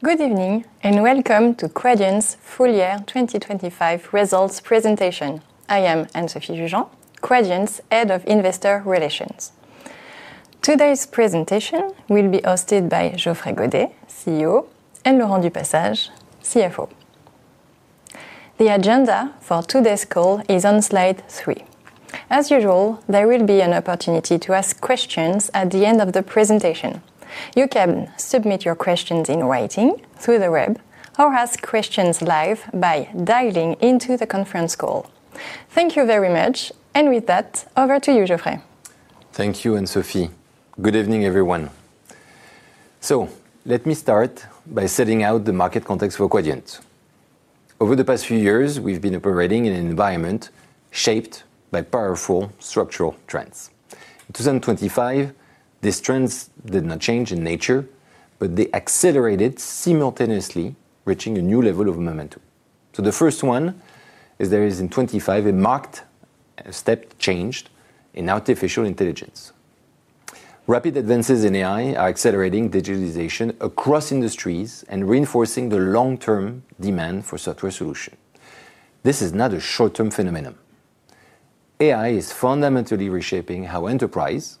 Good evening, and welcome to Quadient's Full Year 2025 Results Presentation. I am Anne-Sophie Jugean, Quadient's Head of Investor Relations. Today's presentation will be hosted by Geoffrey Godet, CEO, and Laurent du Passage, CFO. The agenda for today's call is on slide three. As usual, there will be an opportunity to ask questions at the end of the presentation. You can submit your questions in writing through the web or ask questions live by dialing into the conference call. Thank you very much. With that, over to you, Geoffrey. Thank you, Anne-Sophie. Good evening, everyone. Let me start by setting out the market context for Quadient. Over the past few years, we've been operating in an environment shaped by powerful structural trends. In 2025, these trends did not change in nature, but they accelerated simultaneously, reaching a new level of momentum. The first one is there is in 2025, a marked step change in artificial intelligence. Rapid advances in AI are accelerating digitalization across industries and reinforcing the long-term demand for software solution. This is not a short-term phenomenon. AI is fundamentally reshaping how enterprise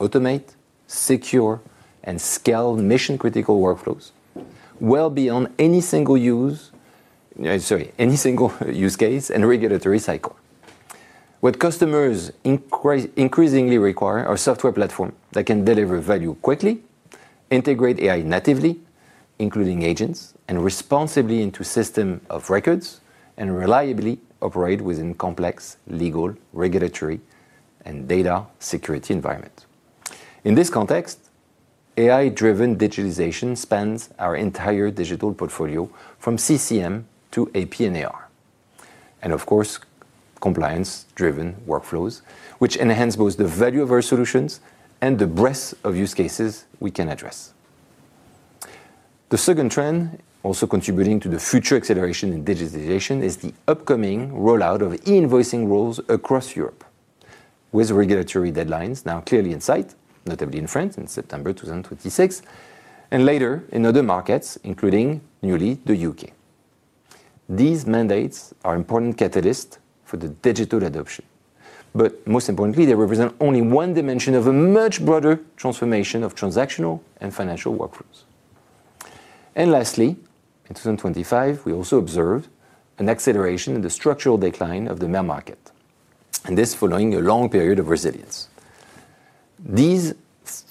automate, secure, and scale mission-critical workflows well beyond any single use case and regulatory cycle. What customers increasingly require are software platform that can deliver value quickly, integrate AI natively, including agents, and responsibly into system of records, and reliably operate within complex legal, regulatory, and data security environment. In this context, AI-driven digitalization spans our entire digital portfolio from CCM to AP and AR. Of course, compliance-driven workflows, which enhance both the value of our solutions and the breadth of use cases we can address. The second trend, also contributing to the future acceleration in digitalization, is the upcoming rollout of e-invoicing rules across Europe, with regulatory deadlines now clearly in sight, notably in France in September 2026, and later in other markets, including newly the U.K.. These mandates are important catalyst for the digital adoption, but most importantly, they represent only one dimension of a much broader transformation of transactional and financial workflows. Lastly, in 2025, we also observed an acceleration in the structural decline of the mail market, and this following a long period of resilience. These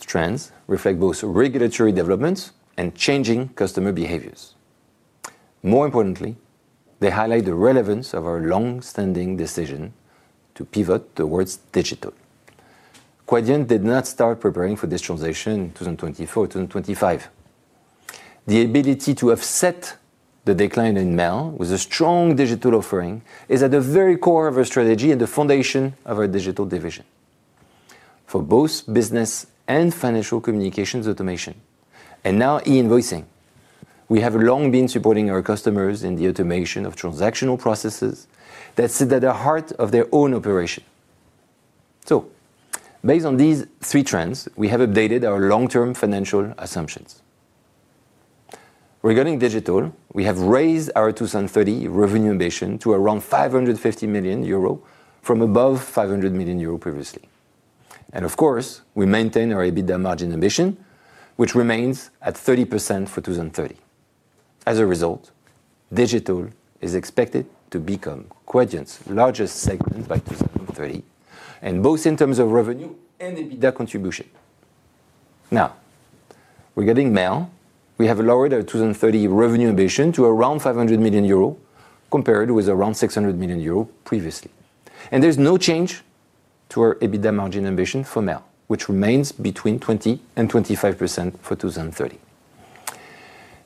trends reflect both regulatory developments and changing customer behaviors. More importantly, they highlight the relevance of our long-standing decision to pivot towards digital. Quadient did not start preparing for this transition in 2024, 2025. The ability to offset the decline in mail with a strong digital offering is at the very core of our strategy and the foundation of our digital division for both business and financial communications automation, and now e-invoicing. We have long been supporting our customers in the automation of transactional processes that sit at the heart of their own operation. Based on these three trends, we have updated our long-term financial assumptions. Regarding Digital, we have raised our 2030 revenue ambition to around 550 million euro from above 500 million euro previously. Of course, we maintain our EBITDA margin ambition, which remains at 30% for 2030. As a result, Digital is expected to become Quadient's largest segment by 2030, and both in terms of revenue and EBITDA contribution. Now, regarding Mail, we have lowered our 2030 revenue ambition to around 500 million euro, compared with around 600 million euro previously. There's no change to our EBITDA margin ambition for Mail, which remains between 20% and 25% for 2030.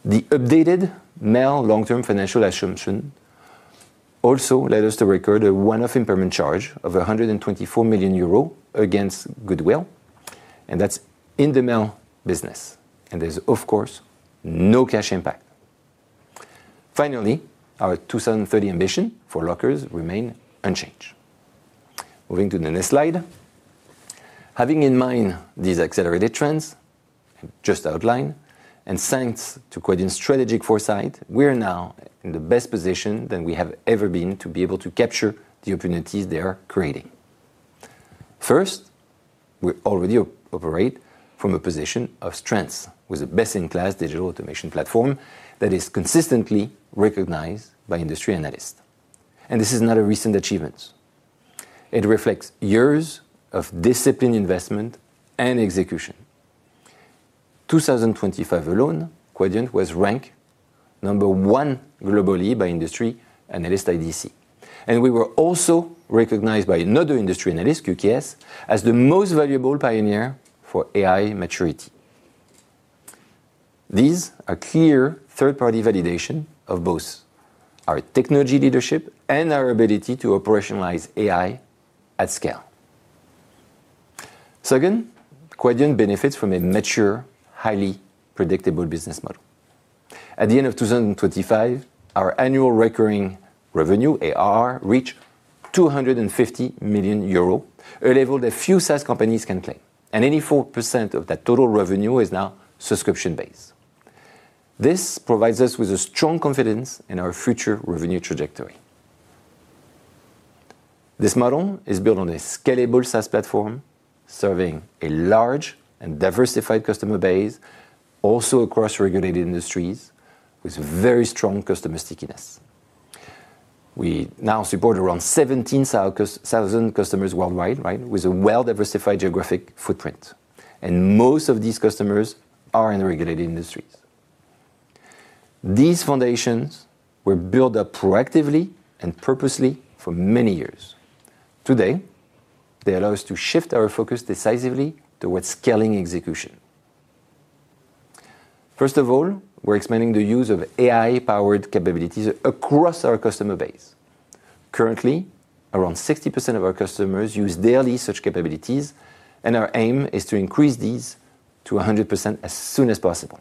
The updated mail long-term financial assumption also led us to record a one-off impairment charge of 124 million euro against goodwill, and that's in the mail business. There's, of course, no cash impact. Finally, our 2030 ambition for lockers remain unchanged. Moving to the next slide. Having in mind these accelerated trends just outlined, and thanks to Quadient's strategic foresight, we are now in the best position than we have ever been to be able to capture the opportunities they are creating. First, we already operate from a position of strength with a best-in-class digital automation platform that is consistently recognized by industry analysts. This is not a recent achievement. It reflects years of disciplined investment and execution. 2025 alone, Quadient was ranked number one globally by industry analyst IDC, and we were also recognized by another industry analyst, Telos, as the most valuable pioneer for AI maturity. These are clear third-party validation of both our technology leadership and our ability to operationalize AI at scale. Second, Quadient benefits from a mature, highly predictable business model. At the end of 2025, our annual recurring revenue, ARR, reached 250 million euros, a level that few SaaS companies can claim. 84% of that total revenue is now subscription-based. This provides us with a strong confidence in our future revenue trajectory. This model is built on a scalable SaaS platform, serving a large and diversified customer base, also across regulated industries with very strong customer stickiness. We now support around 17,000 customers worldwide, right? With a well-diversified geographic footprint, and most of these customers are in regulated industries. These foundations were built up proactively and purposely for many years. Today, they allow us to shift our focus decisively towards scaling execution. First of all, we're expanding the use of AI-powered capabilities across our customer base. Currently, around 60% of our customers use daily such capabilities, and our aim is to increase these to 100% as soon as possible.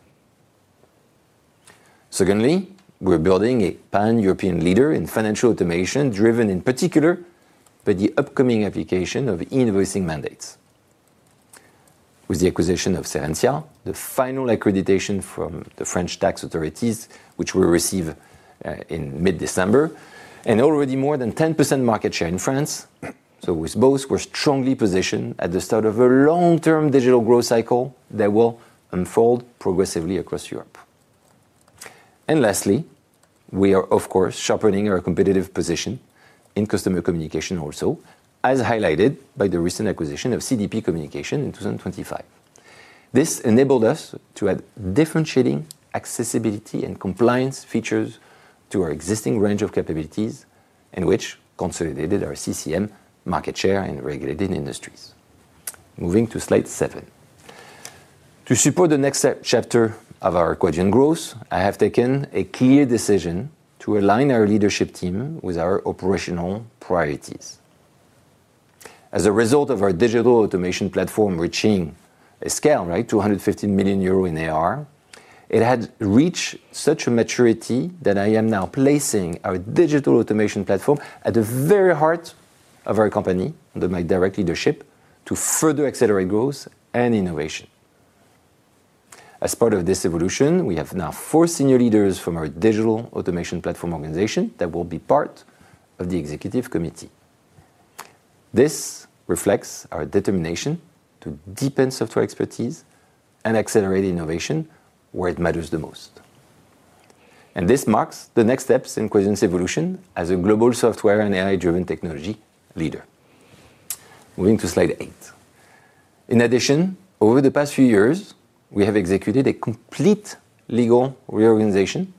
Secondly, we're building a pan-European leader in financial automation, driven in particular by the upcoming application of e-invoicing mandates. With the acquisition of Serensia, the final accreditation from the French tax authorities, which we'll receive in mid-December, and already more than 10% market share in France. With both, we're strongly positioned at the start of a long-term digital growth cycle that will unfold progressively across Europe. Lastly, we are, of course, sharpening our competitive position in customer communication also, as highlighted by the recent acquisition of CDP Communications in 2025. This enabled us to add differentiating accessibility and compliance features to our existing range of capabilities, in which consolidated our CCM market share in regulated industries. Moving to slide seven. To support the next chapter of our Quadient growth, I have taken a clear decision to align our leadership team with our operational priorities. As a result of our Digital Automation Platform reaching a scale, right, 250 million euro in AR, it had reached such a maturity that I am now placing our Digital Automation Platform at the very heart of our company, under my direct leadership to further accelerate growth and innovation. As part of this evolution, we have now four senior leaders from our Digital Automation Platform organization that will be part of the executive committee. This reflects our determination to deepen software expertise and accelerate innovation where it matters the most. This marks the next steps in Quadient's evolution as a global software and AI-driven technology leader. Moving to slide eight. In addition, over the past few years, we have executed a complete legal reorganization,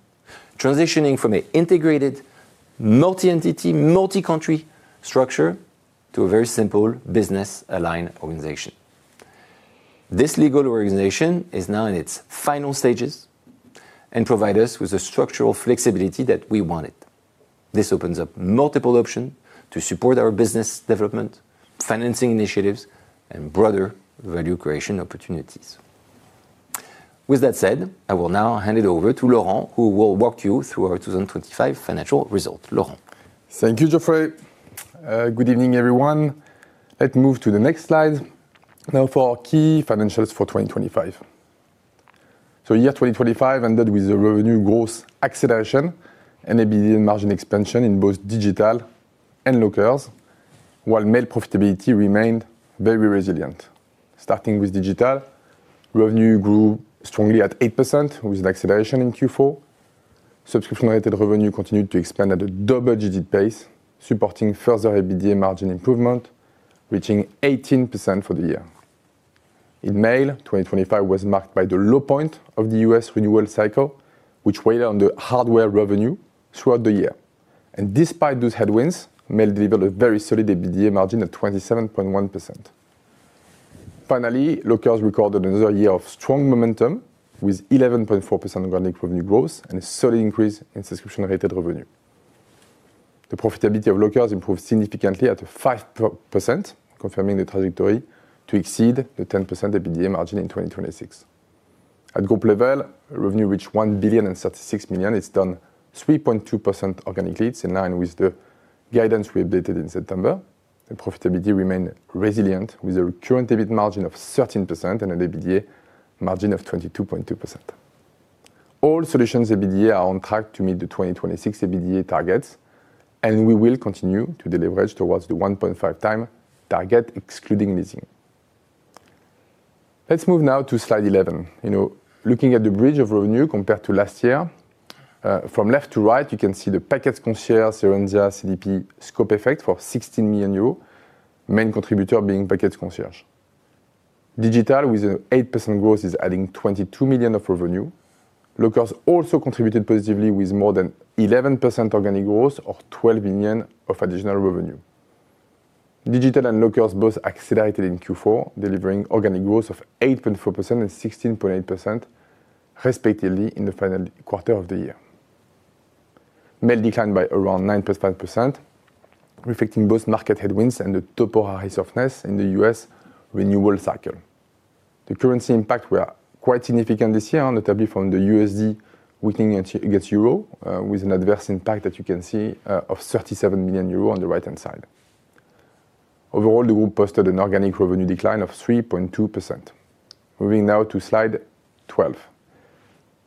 transitioning from an integrated multi-entity, multi-country structure to a very simple business-aligned organization. This legal organization is now in its final stages and provide us with the structural flexibility that we wanted. This opens up multiple options to support our business development, financing initiatives, and broader value creation opportunities. With that said, I will now hand it over to Laurent, who will walk you through our 2025 financial results. Laurent. Thank you, Geoffrey. Good evening, everyone. Let's move to the next slide now for our key financials for 2025. Year 2025 ended with a revenue growth acceleration and a margin expansion in both Digital and Lockers, while Mail profitability remained very resilient. Starting with Digital, revenue grew strongly at 8% with an acceleration in Q4. Subscription-related revenue continued to expand at a double-digit pace, supporting further EBITDA margin improvement, reaching 18% for the year. In Mail, 2025 was marked by the low point of the U.S. renewal cycle, which weighed on the hardware revenue throughout the year. Despite those headwinds, Mail delivered a very solid EBITDA margin of 27.1%. Finally, Lockers recorded another year of strong momentum with 11.4% organic revenue growth and a solid increase in subscription-related revenue. The profitability of Lockers improved significantly at 5%, confirming the trajectory to exceed the 10% EBITDA margin in 2026. At group level, revenue reached 1.036 billion. It’s down 3.2% organically. It’s in line with the guidance we updated in September. The profitability remained resilient with a recurring EBITDA margin of 13% and an EBITDA margin of 22.2%. All solutions EBITDA are on track to meet the 2026 EBITDA targets, and we will continue to deleverage toward the 1.5x target, excluding leasing. Let’s move now to slide 11. You know, looking at the bridge of revenue compared to last year, from left to right, you can see the Package Concierge, Serensia, CDP scope effect for 16 million euros, main contributor being Package Concierge. Digital with an 8% growth is adding 22 million of revenue. Lockers also contributed positively with more than 11% organic growth or 12 million of additional revenue. Digital and Lockers both accelerated in Q4, delivering organic growth of 8.4% and 16.8% respectively in the final quarter of the year. Mail declined by around 9.5%, reflecting both market headwinds and the typical softness in the U.S. renewal cycle. The currency impact were quite significant this year, notably from the USD weakening against euro, with an adverse impact that you can see, of 37 million euro on the right-hand side. Overall, the group posted an organic revenue decline of 3.2%. Moving now to slide 12.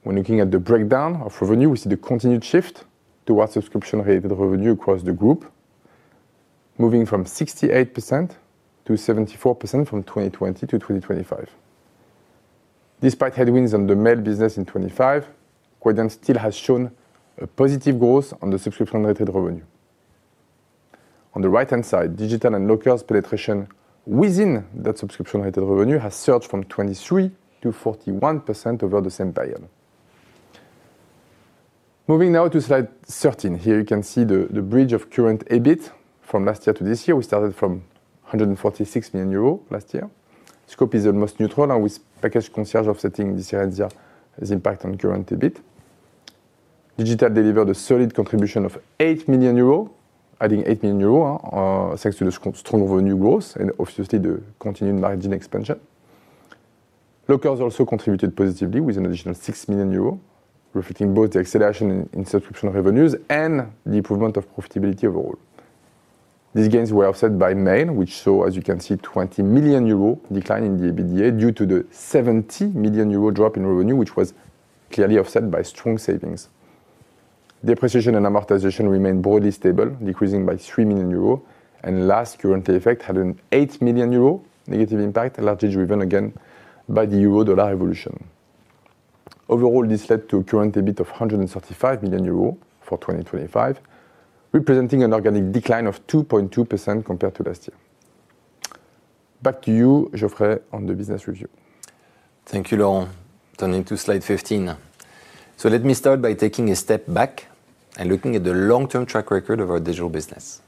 When looking at the breakdown of revenue, we see the continued shift towards subscription-related revenue across the group, moving from 68% to 74% from 2020 to 2025. Despite headwinds on the mail business in 2025, Quadient still has shown a positive growth on the subscription-related revenue. On the right-hand side, Digital and Lockers penetration within that subscription-related revenue has surged from 23% to 41% over the same period. Moving now to slide 13. Here you can see the bridge of current EBIT from last year to this year. We started from 146 million euros last year. Scope is almost neutral now with Package Concierge offsetting this year's impact on current EBIT. Digital delivered a solid contribution of 8 million euros, adding 8 million euros, thanks to the strong revenue growth and obviously the continued margin expansion. Locals also contributed positively with an additional 6 million euros, reflecting both the acceleration in subscription revenues and the improvement of profitability overall. These gains were offset by mail, which saw, as you can see, 20 million euro decline in the EBITDA due to the 70 million euro drop in revenue, which was clearly offset by strong savings. Depreciation and amortization remained broadly stable, decreasing by 3 million euro. Last, currency effect had an 8 million euro negative impact, largely driven again by the euro-dollar evolution. Overall, this led to a current EBIT of 135 million euros for 2025, representing an organic decline of 2.2% compared to last year. Back to you, Geoffrey, on the business review. Thank you, Laurent. Turning to slide 15. Let me start by taking a step back and looking at the long-term track record of our digital business.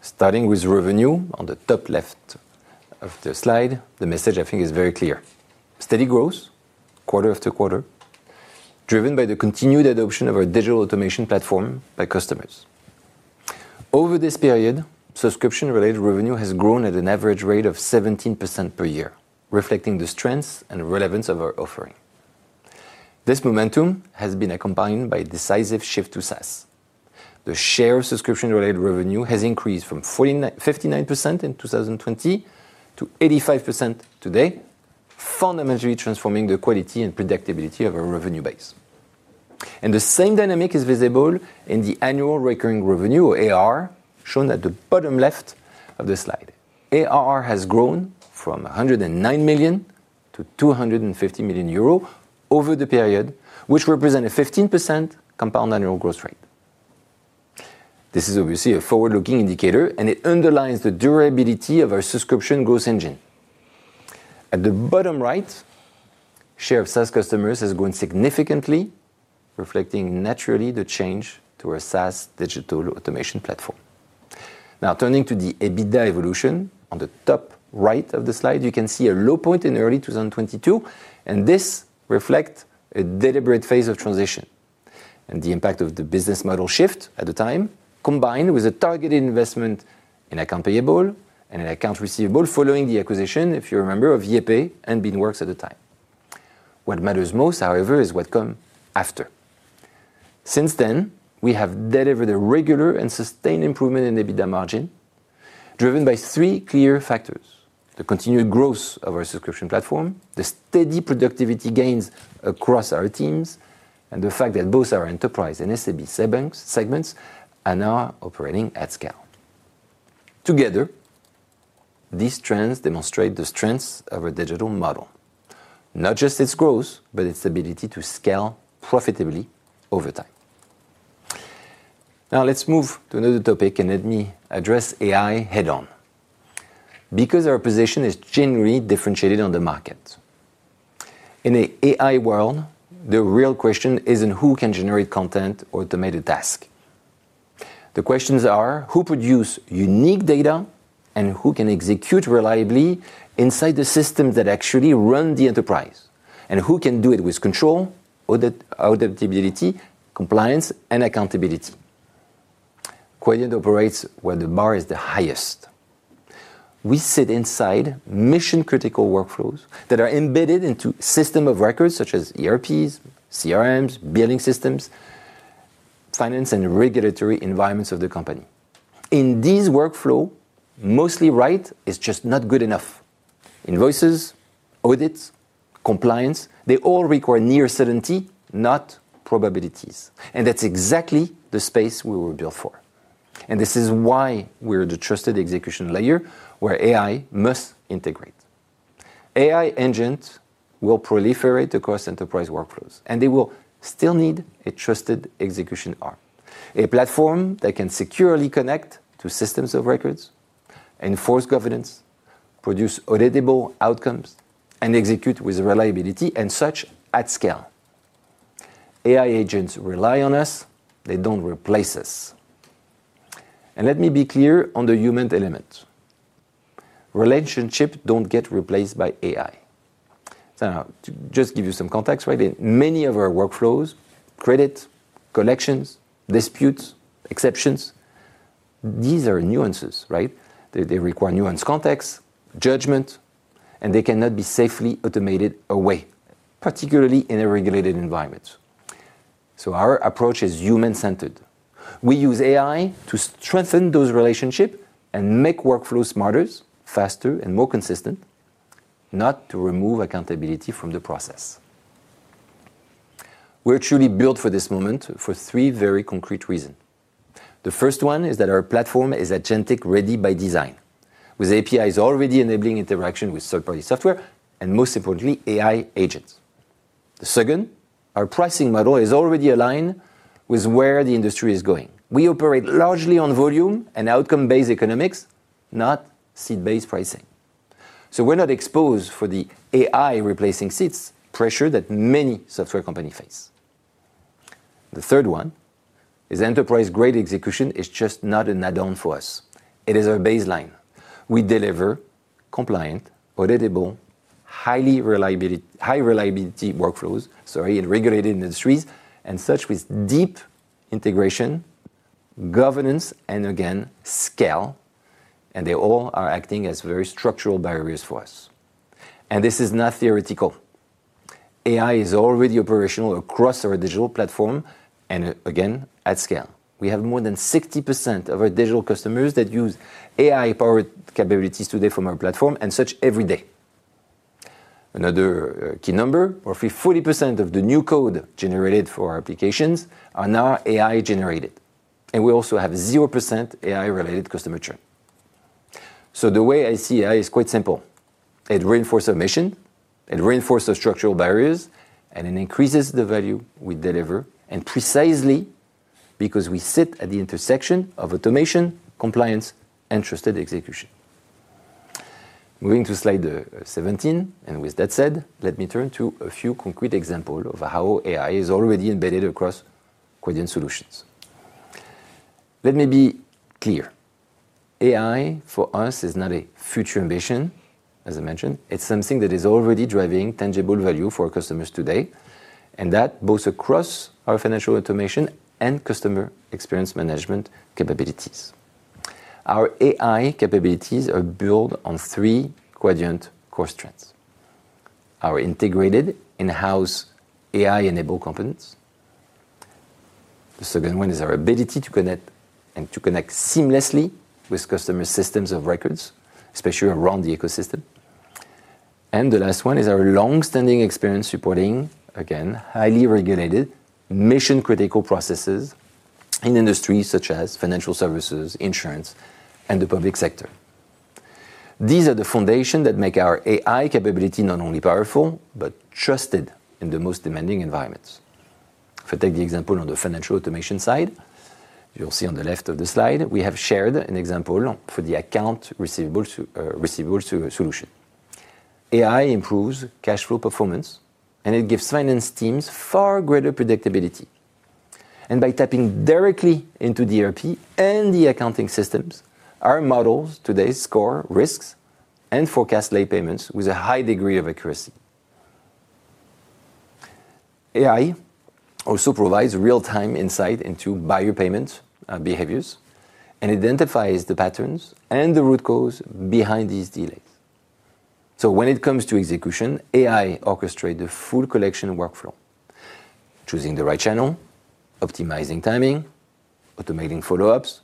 Starting with revenue on the top left of the slide, the message I think is very clear. Steady growth quarter after quarter, driven by the continued adoption of our Digital Automation Platform by customers. Over this period, subscription-related revenue has grown at an average rate of 17% per year, reflecting the strengths and relevance of our offering. This momentum has been accompanied by a decisive shift to SaaS. The share of subscription-related revenue has increased from 59% in 2020 to 85% today, fundamentally transforming the quality and predictability of our revenue base. The same dynamic is visible in the annual recurring revenue, or ARR, shown at the bottom left of this slide. ARR has grown from 109 million to 250 million euro over the period, which represent a 15% compound annual growth rate. This is obviously a forward-looking indicator, and it underlines the durability of our subscription growth engine. At the bottom right, share of SaaS customers has grown significantly, reflecting naturally the change to our SaaS Digital Automation Platform. Now, turning to the EBITDA evolution on the top right of the slide, you can see a low point in early 2022, and this reflect a deliberate phase of transition. The impact of the business model shift at the time, combined with a targeted investment in accounts payable and in accounts receivable following the acquisition, if you remember, of YayPay and Beanworks at the time. What matters most, however, is what come after. Since then, we have delivered a regular and sustained improvement in EBITDA margin driven by three clear factors, the continued growth of our subscription platform, the steady productivity gains across our teams, and the fact that both our enterprise and SMB segments are now operating at scale. Together, these trends demonstrate the strengths of our digital model, not just its growth, but its ability to scale profitably over time. Now let's move to another topic and let me address AI head-on because our position is genuinely differentiated on the market. In an AI world, the real question isn't who can generate content or automated tasks. The questions are who produce unique data, and who can execute reliably inside the system that actually run the enterprise. And who can do it with control, auditability, compliance, and accountability. Quadient operates where the bar is the highest. We sit inside mission-critical workflows that are embedded into systems of record such as ERPs, CRMs, billing systems, finance and regulatory environments of the company. In this workflow, mostly right is just not good enough. Invoices, audits, compliance, they all require near certainty, not probabilities. That's exactly the space we were built for. This is why we're the trusted execution layer where AI must integrate. AI engines will proliferate across enterprise workflows, and they will still need a trusted execution arm, a platform that can securely connect to systems of record, enforce governance, produce auditable outcomes, and execute with reliability and such at scale. AI agents rely on us. They don't replace us. Let me be clear on the human element. Relationships don't get replaced by AI. Now, to just give you some context, right? In many of our workflows, credit, collections, disputes, exceptions, these are nuances, right? They require nuanced context, judgment, and they cannot be safely automated away, particularly in a regulated environment. Our approach is human-centered. We use AI to strengthen those relationships and make workflows smarter, faster, and more consistent, not to remove accountability from the process. We're truly built for this moment for three very concrete reasons. The first one is that our platform is agentic ready by design, with APIs already enabling interaction with third-party software and most importantly, AI agents. The second, our pricing model is already aligned with where the industry is going. We operate largely on volume and outcome-based economics, not seat-based pricing. We're not exposed for the AI replacing seats pressure that many software companies face. The third one is enterprise-grade execution is just not an add-on for us. It is our baseline. We deliver compliant, auditable, high-reliability workflows, sorry, in regulated industries, and such with deep integration, governance, and again, scale, and they all are acting as very structural barriers for us. This is not theoretical. AI is already operational across our digital platform, and again, at scale. We have more than 60% of our digital customers that use AI-powered capabilities today from our platform, and such every day. Another key number, over 40% of the new code generated for our applications are now AI-generated, and we also have 0% AI-related customer churn. The way I see AI is quite simple. It reinforces our mission, it reinforces structural barriers, and it increases the value we deliver, and precisely because we sit at the intersection of automation, compliance, and trusted execution. Moving to slide 17. With that said, let me turn to a few concrete examples of how AI is already embedded across Quadient Solutions. Let me be clear. AI for us is not a future ambition, as I mentioned. It's something that is already driving tangible value for our customers today, and that both across our financial automation and customer experience management capabilities. Our AI capabilities are built on three Quadient core strengths. Our integrated in-house AI-enabled components. The second one is our ability to connect seamlessly with customer systems of records, especially around the ecosystem. The last one is our long-standing experience supporting, again, highly regulated mission-critical processes in industries such as financial services, insurance, and the public sector. These are the foundation that make our AI capability not only powerful, but trusted in the most demanding environments. If I take the example on the financial automation side, you'll see on the left of the slide, we have shared an example for the accounts receivable solution. AI improves cash flow performance, and it gives finance teams far greater predictability. By tapping directly into ERP and the accounting systems, our models today score risks and forecast late payments with a high degree of accuracy. AI also provides real-time insight into buyer payment behaviors and identifies the patterns and the root cause behind these delays. When it comes to execution, AI orchestrate the full collection workflow, choosing the right channel, optimizing timing, automating follow-ups,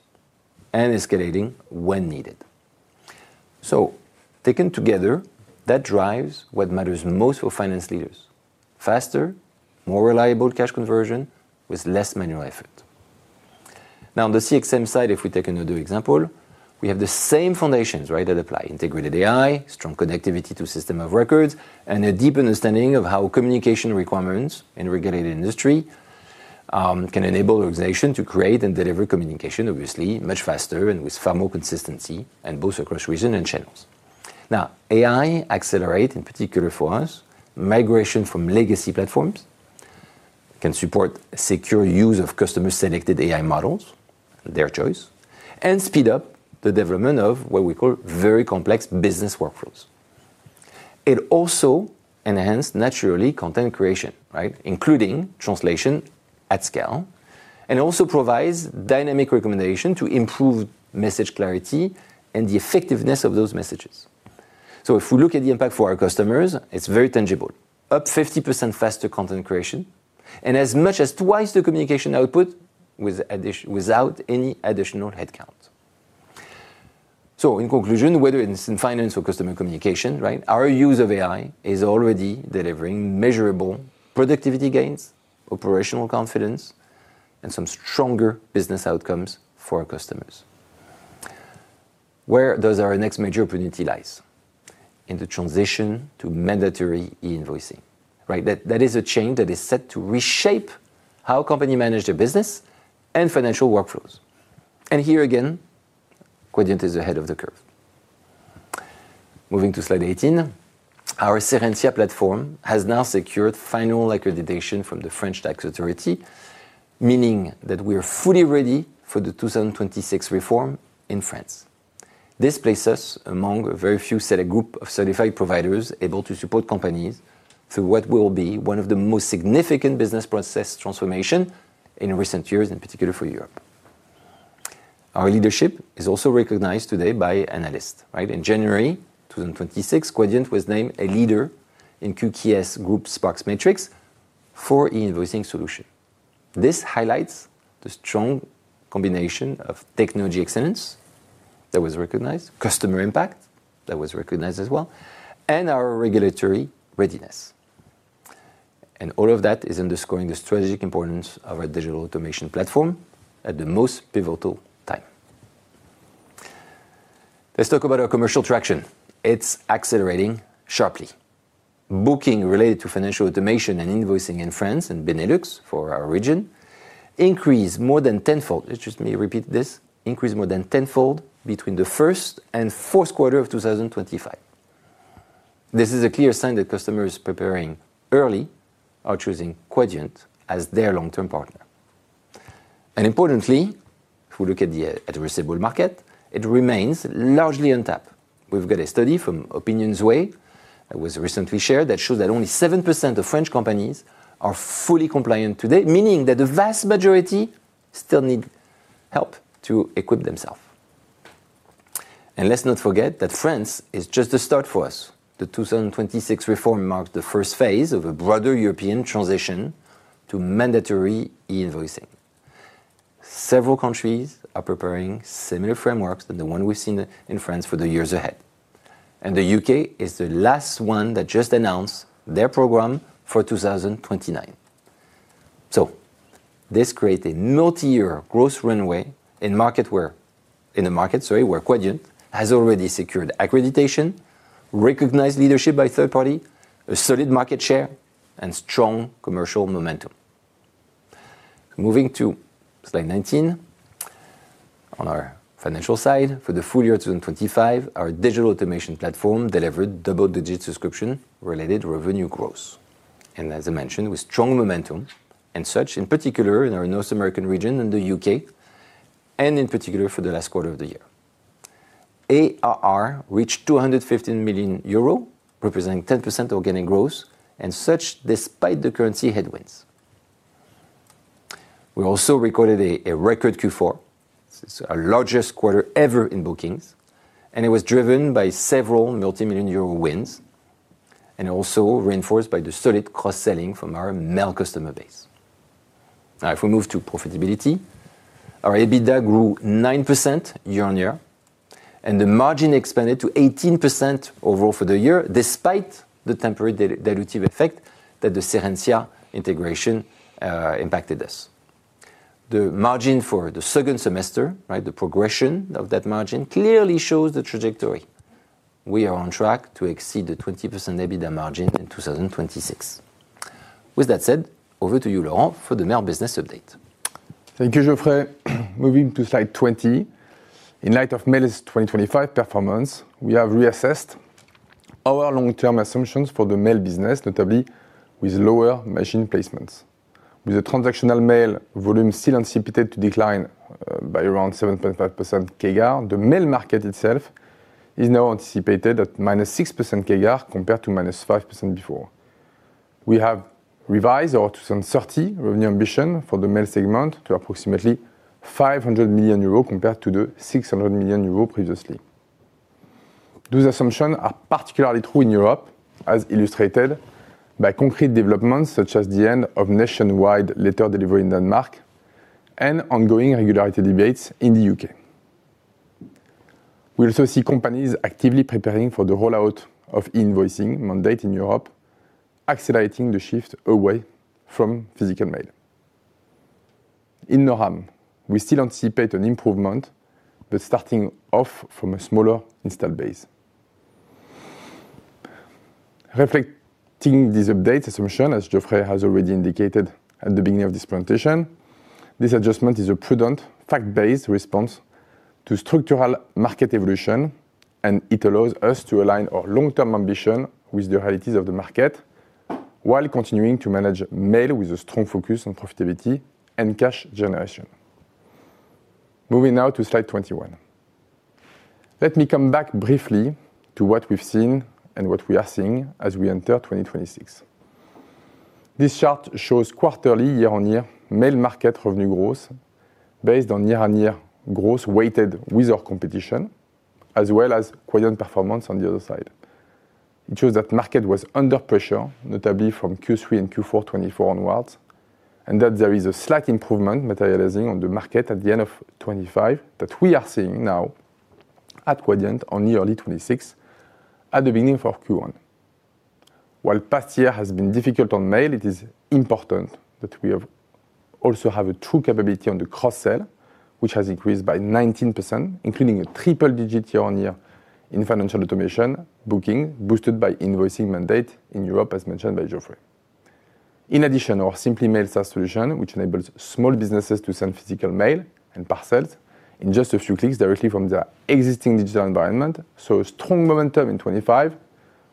and escalating when needed. Taken together, that drives what matters most for finance leaders. Faster, more reliable cash conversion with less manual effort. Now on the CXM side, if we take another example, we have the same foundations, right? That apply. Integrated AI, strong connectivity to system of records, and a deep understanding of how communication requirements in regulated industry can enable organization to create and deliver communication obviously much faster and with far more consistency, and both across region and channels. Now, AI accelerate, in particular for us, migration from legacy platforms, can support secure use of customer-selected AI models, their choice, and speed up the development of what we call very complex business workflows. It also enhance naturally content creation, right? Including translation at scale, and also provides dynamic recommendation to improve message clarity and the effectiveness of those messages. If we look at the impact for our customers, it's very tangible. Up 50% faster content creation, and as much as twice the communication output without any additional headcount. In conclusion, whether it's in finance or customer communication, right? Our use of AI is already delivering measurable productivity gains, operational confidence, and some stronger business outcomes for our customers. Where does our next major opportunity lies? In the transition to mandatory e-invoicing, right? That is a change that is set to reshape how companies manage their business and financial workflows. Here again, Quadient is ahead of the curve. Moving to slide 18. Our Serensia platform has now secured final accreditation from the French tax authority, meaning that we are fully ready for the 2026 reform in France. This places us among a very few select group of certified providers able to support companies through what will be one of the most significant business process transformations in recent years, in particular for Europe. Our leadership is also recognized today by analysts, right? In January 2026, Quadient was named a leader in QKS Group's SPARK Matrix for e-invoicing solution. This highlights the strong combination of technology excellence that was recognized, customer impact that was recognized as well, and our regulatory readiness. All of that is underscoring the strategic importance of our Digital Automation Platform at the most pivotal time. Let's talk about our commercial traction. It's accelerating sharply. Booking related to financial automation and invoicing in France and Benelux for our region increased more than 10-fold. Let me just repeat this. Increased more than 10-fold between the first and fourth quarter of 2025. This is a clear sign that customers preparing early are choosing Quadient as their long-term partner. Importantly, if we look at the receivable market, it remains largely untapped. We've got a study from OpinionWay that was recently shared that shows that only 7% of French companies are fully compliant today, meaning that the vast majority still need help to equip themselves. Let's not forget that France is just a start for us. The 2026 reform marks the first phase of a broader European transition to mandatory e-invoicing. Several countries are preparing similar frameworks than the one we've seen in France for the years ahead. The U.K. is the last one that just announced their program for 2029. This creates a multi-year growth runway in the market, sorry, where Quadient has already secured accreditation, recognized leadership by third party, a solid market share, and strong commercial momentum. Moving to slide 19. On our financial side, for the full year 2025, our Digital Automation Platform delivered double-digit subscription-related revenue growth. As I mentioned, with strong momentum and such, in particular in our North American region and the U.K., and in particular for the last quarter of the year. ARR reached 215 million euro, representing 10% organic growth and such despite the currency headwinds. We also recorded a record Q4. It's our largest quarter ever in bookings, and it was driven by several multimillion-EUR wins and also reinforced by the solid cross-selling from our Mail customer base. Now if we move to profitability, our EBITDA grew 9% year-on-year, and the margin expanded to 18% overall for the year, despite the temporary de-dilutive effect that the Serensia integration impacted us. The margin for the second semester, right? The progression of that margin clearly shows the trajectory. We are on track to exceed the 20% EBITDA margin in 2026. With that said, over to you, Laurent, for the Mail business update. Thank you, Geoffrey. Moving to slide 20. In light of Mail's 2025 performance, we have reassessed our long-term assumptions for the Mail business, notably with lower machine placements. With the transactional mail volume still anticipated to decline by around 7.5% CAGR, the Mail market itself is now anticipated at -6% CAGR compared to -5% before. We have revised our 2030 revenue ambition for the Mail segment to approximately EUR 500 million compared to the EUR 600 million previously. Those assumptions are particularly true in Europe, as illustrated by concrete developments such as the end of nationwide letter delivery in Denmark and ongoing regulatory debates in the U.K.. We also see companies actively preparing for the rollout of e-invoicing mandate in Europe, accelerating the shift away from physical mail. In NORAM, we still anticipate an improvement, but starting off from a smaller installed base. Reflecting these updated assumptions, as Geoffrey has already indicated at the beginning of this presentation, this adjustment is a prudent, fact-based response to structural market evolution, and it allows us to align our long-term ambition with the realities of the market while continuing to manage Mail with a strong focus on profitability and cash generation. Moving now to slide 21. Let me come back briefly to what we've seen and what we are seeing as we enter 2026. This chart shows quarterly year-on-year Mail market revenue growth based on year-on-year growth weighted with our competition, as well as Quadient performance on the other side. It shows that the market was under pressure, notably from Q3 and Q4 2024 onwards, and that there is a slight improvement materializing in the market at the end of 2025 that we are seeing now at Quadient in early 2026 at the beginning of Q1. While the past year has been difficult on Mail, it is important that we also have a true capability on the cross-sell, which has increased by 19%, including a triple-digit year-on-year in financial automation booking, boosted by invoicing mandate in Europe, as mentioned by Geoffrey. In addition, our SimplyMail solution, which enables small businesses to send physical mail and parcels in just a few clicks directly from their existing digital environment. Strong momentum in 2025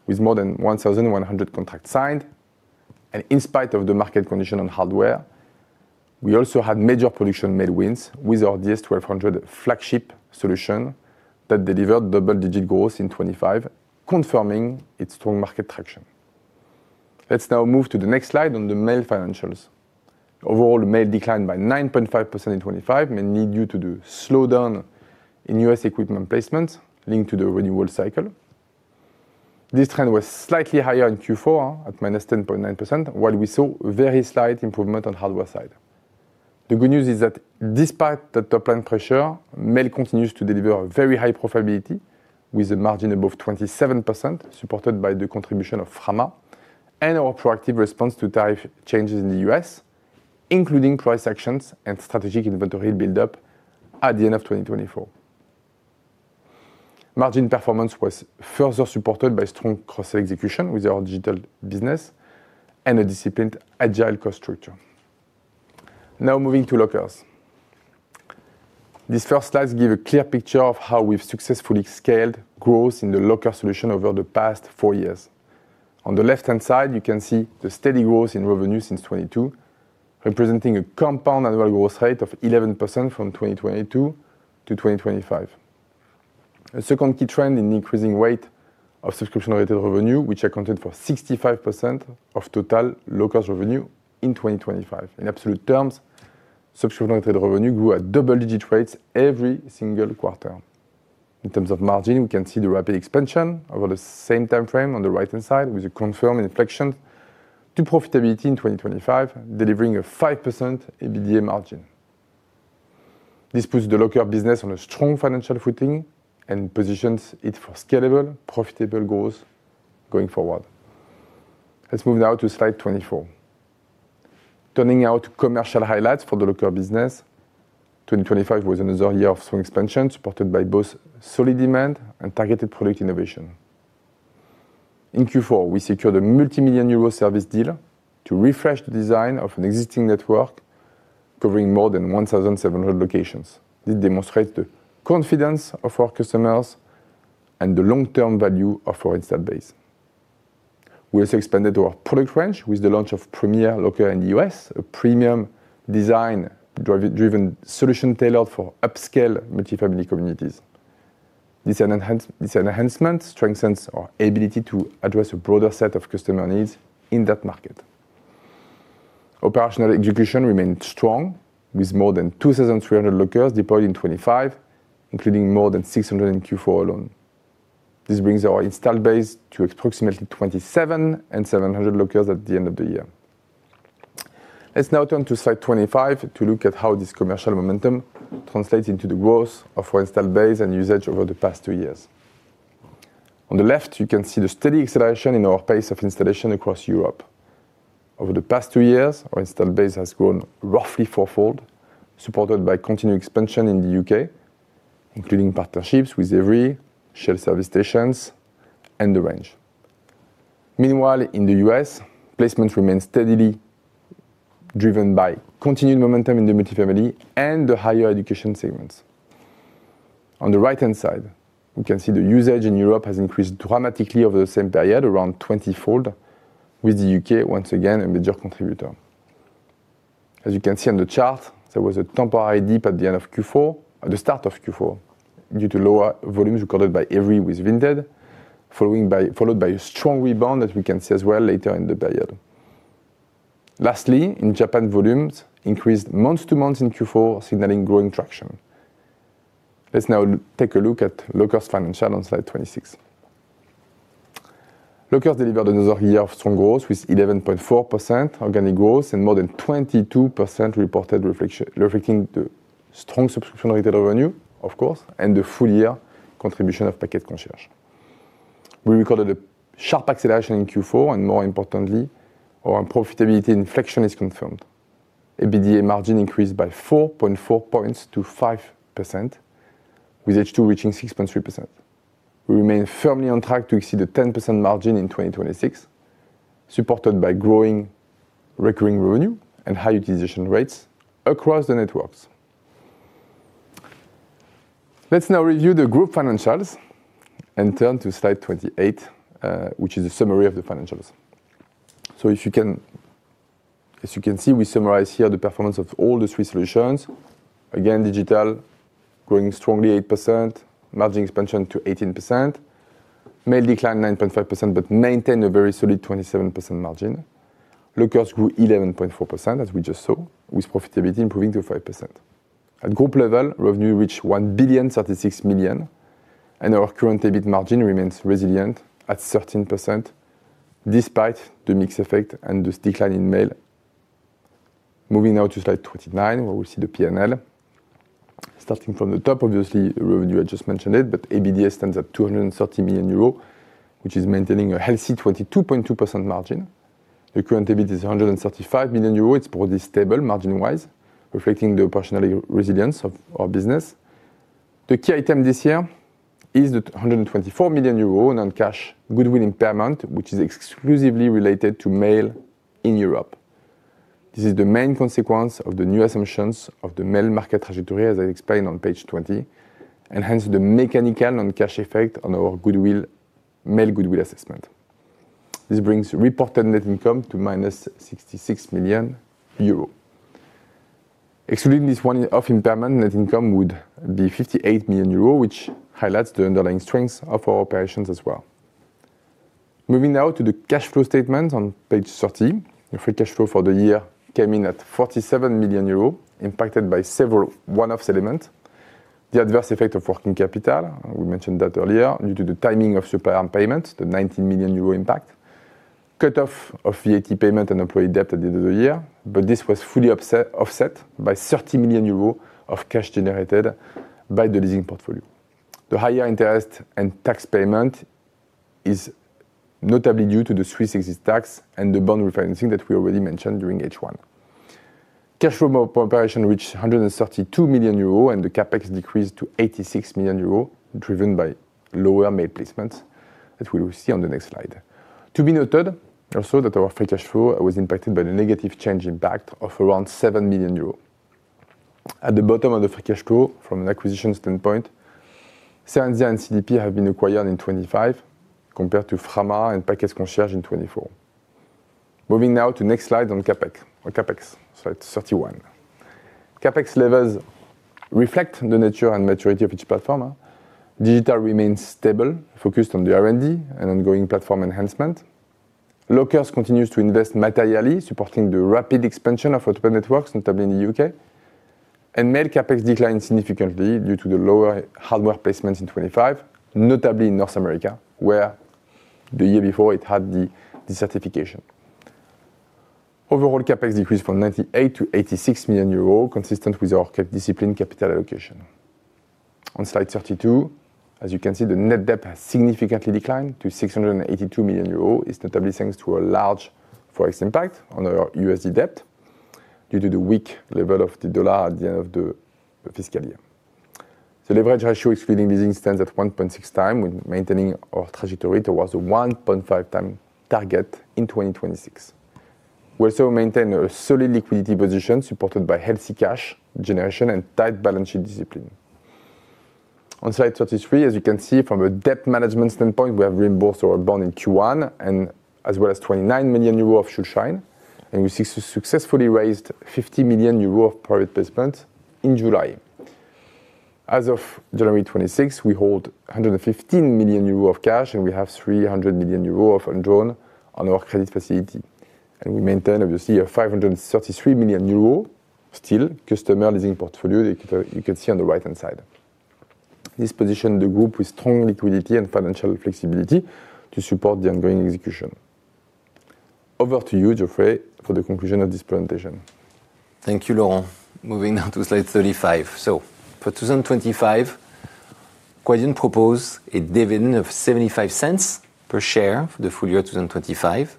with more than 1,100 contracts signed. In spite of the market condition on hardware, we also had major production mail wins with our DS-1200 flagship solution that delivered double-digit growth in 2025, confirming its strong market traction. Let's now move to the next slide on the mail financials. Overall, mail declined by 9.5% in 2025, mainly due to the slowdown in U.S. equipment placements linked to the renewal cycle. This trend was slightly higher in Q4 at -10.9%, while we saw very slight improvement on hardware side. The good news is that despite the top line pressure, mail continues to deliver very high profitability, with a margin above 27% supported by the contribution of Frama and our proactive response to tariff changes in the U.S., including price actions and strategic inventory build-up at the end of 2024. Margin performance was further supported by strong cross execution with our digital business and a disciplined agile cost structure. Now moving to lockers. These first slides give a clear picture of how we've successfully scaled growth in the locker solution over the past 4 years. On the left-hand side, you can see the steady growth in revenue since 2022, representing a compound annual growth rate of 11% from 2022 to 2025. A second key trend is the increasing rate of subscription-related revenue, which accounted for 65% of total lockers revenue in 2025. In absolute terms, subscription-related revenue grew at double-digit rates every single quarter. In terms of margin, we can see the rapid expansion over the same time frame on the right-hand side with a confirmed inflection to profitability in 2025, delivering a 5% EBITDA margin. This puts the locker business on a strong financial footing and positions it for scalable, profitable growth going forward. Let's move now to slide 24. Turning now to commercial highlights for the locker business. 2025 was another year of strong expansion, supported by both solid demand and targeted product innovation. In Q4, we secured a multimillion EUR service deal to refresh the design of an existing network covering more than 1,700 locations. This demonstrates the confidence of our customers and the long-term value of our installed base. We also expanded our product range with the launch of PREMIER Locker in the U.S., a premium design RFID-driven solution tailored for upscale multifamily communities. This enhancement strengthens our ability to address a broader set of customer needs in that market. Operational execution remained strong with more than 2,300 lockers deployed in 2025, including more than 600 in Q4 alone. This brings our install base to approximately 2,700 lockers at the end of the year. Let's now turn to slide 25 to look at how this commercial momentum translates into the growth of our installed base and usage over the past two years. On the left, you can see the steady acceleration in our pace of installation across Europe. Over the past two years, our install base has grown roughly four-fold, supported by continued expansion in the U.K., including partnerships with Evri, Shell service stations, and The Range. Meanwhile, in the U.S., placements remain steadily driven by continued momentum in the multifamily and the higher education segments. On the right-hand side, we can see the usage in Europe has increased dramatically over the same period, around 20-fold, with the U.K. once again a major contributor. As you can see on the chart, there was a temporary dip at the start of Q4 due to lower volumes recorded by Evri with Vinted, followed by a strong rebound, as we can see as well later in the period. Lastly, in Japan, volumes increased month-to-month in Q4, signaling growing traction. Let's now take a look at Lockers financial on slide 26. Lockers delivered another year of strong growth with 11.4% organic growth and more than 22% reported reflecting the strong subscription-related revenue, of course, and the full year contribution of Package Concierge. We recorded a sharp acceleration in Q4, and more importantly, our profitability inflection is confirmed. EBITDA margin increased by 4.4 points to 5%, with H2 reaching 6.3%. We remain firmly on track to exceed a 10% margin in 2026, supported by growing recurring revenue and high utilization rates across the networks. Let's now review the group financials and turn to slide 28, which is a summary of the financials. As you can see, we summarize here the performance of all the three solutions. Again, Digital growing strongly 8%, margin expansion to 18%. Mail declined 9.5%, but maintained a very solid 27% margin. Lockers grew 11.4%, as we just saw, with profitability improving to 5%. At group level, revenue reached 1,036 million, and our current EBIT margin remains resilient at 13% despite the mix effect and this decline in mail. Moving now to slide 29, where we see the PNL. Starting from the top, obviously, revenue, I just mentioned it, but EBITDA stands at 230 million euros, which is maintaining a healthy 22.2% margin. The current EBIT is 135 million euros. It's broadly stable margin-wise, reflecting the operational resilience of our business. The key item this year is the 124 million euro non-cash goodwill impairment, which is exclusively related to mail in Europe. This is the main consequence of the new assumptions of the mail market trajectory, as I explained on page 20, and hence the mechanical non-cash effect on our goodwill, mail goodwill assessment. This brings reported net income to -66 million euro. Excluding this one-off impairment, net income would be 58 million euro, which highlights the underlying strengths of our operations as well. Moving now to the cash flow statement on page 30. The free cash flow for the year came in at 47 million euros, impacted by several one-off settlement. The adverse effect of working capital, we mentioned that earlier, due to the timing of supplier payments, the 19 million euro impact. Cut-off of VAT payment and employee debt at the end of the year. This was fully offset by 30 million euros of cash generated by the leasing portfolio. The higher interest and tax payment is notably due to the Swiss withholding tax and the bond refinancing that we already mentioned during H1. Cash from operations reached 132 million euro and CapEx decreased to 86 million euro, driven by lower mail placements that we will see on the next slide. To be noted also that our free cash flow was impacted by the negative currency impact of around 7 million euros. At the bottom of the free cash flow, from an acquisition standpoint, Serensia and CDP have been acquired in 2025, compared to Frama and Package Concierge in 2024. Moving now to next slide on CapEx. Slide 31. CapEx levels reflect the nature and maturity of each platform. Digital remains stable, focused on the R&D and ongoing platform enhancement. Lockers continues to invest materially, supporting the rapid expansion of our networks, notably in the U.K.. Mail CapEx declined significantly due to the lower hardware placements in 2025, notably in North America, where the year before it had the certification. Overall CapEx decreased from 98 million to 86 million euro, consistent with our capital discipline capital allocation. On slide 32, as you can see, the net debt has significantly declined to 682 million euro, instantly thanks to a large Forex impact on our USD debt due to the weak level of the dollar at the end of the fiscal year. The leverage ratio excluding leasing stands at 1.6x, while maintaining our trajectory towards a 1.5x target in 2026. We also maintain a solid liquidity position supported by healthy cash generation and tight balance sheet discipline. On slide 33, as you can see from a debt management standpoint, we have reimbursed our bond in Q1 and as well as 29 million euro of Schuldschein, and we successfully raised 50 million euro of private placement in July. As of January 26, we hold 115 million euro of cash, and we have 300 million euro of undrawn on our credit facility, and we maintain obviously a 533 million euro still customer leasing portfolio, you can see on the right-hand side. This position the group with strong liquidity and financial flexibility to support the ongoing execution. Over to you, Geoffrey, for the conclusion of this presentation. Thank you, Laurent. Moving now to slide 35. For 2025, Quadient propose a dividend of 0.75 per share for the full year 2025.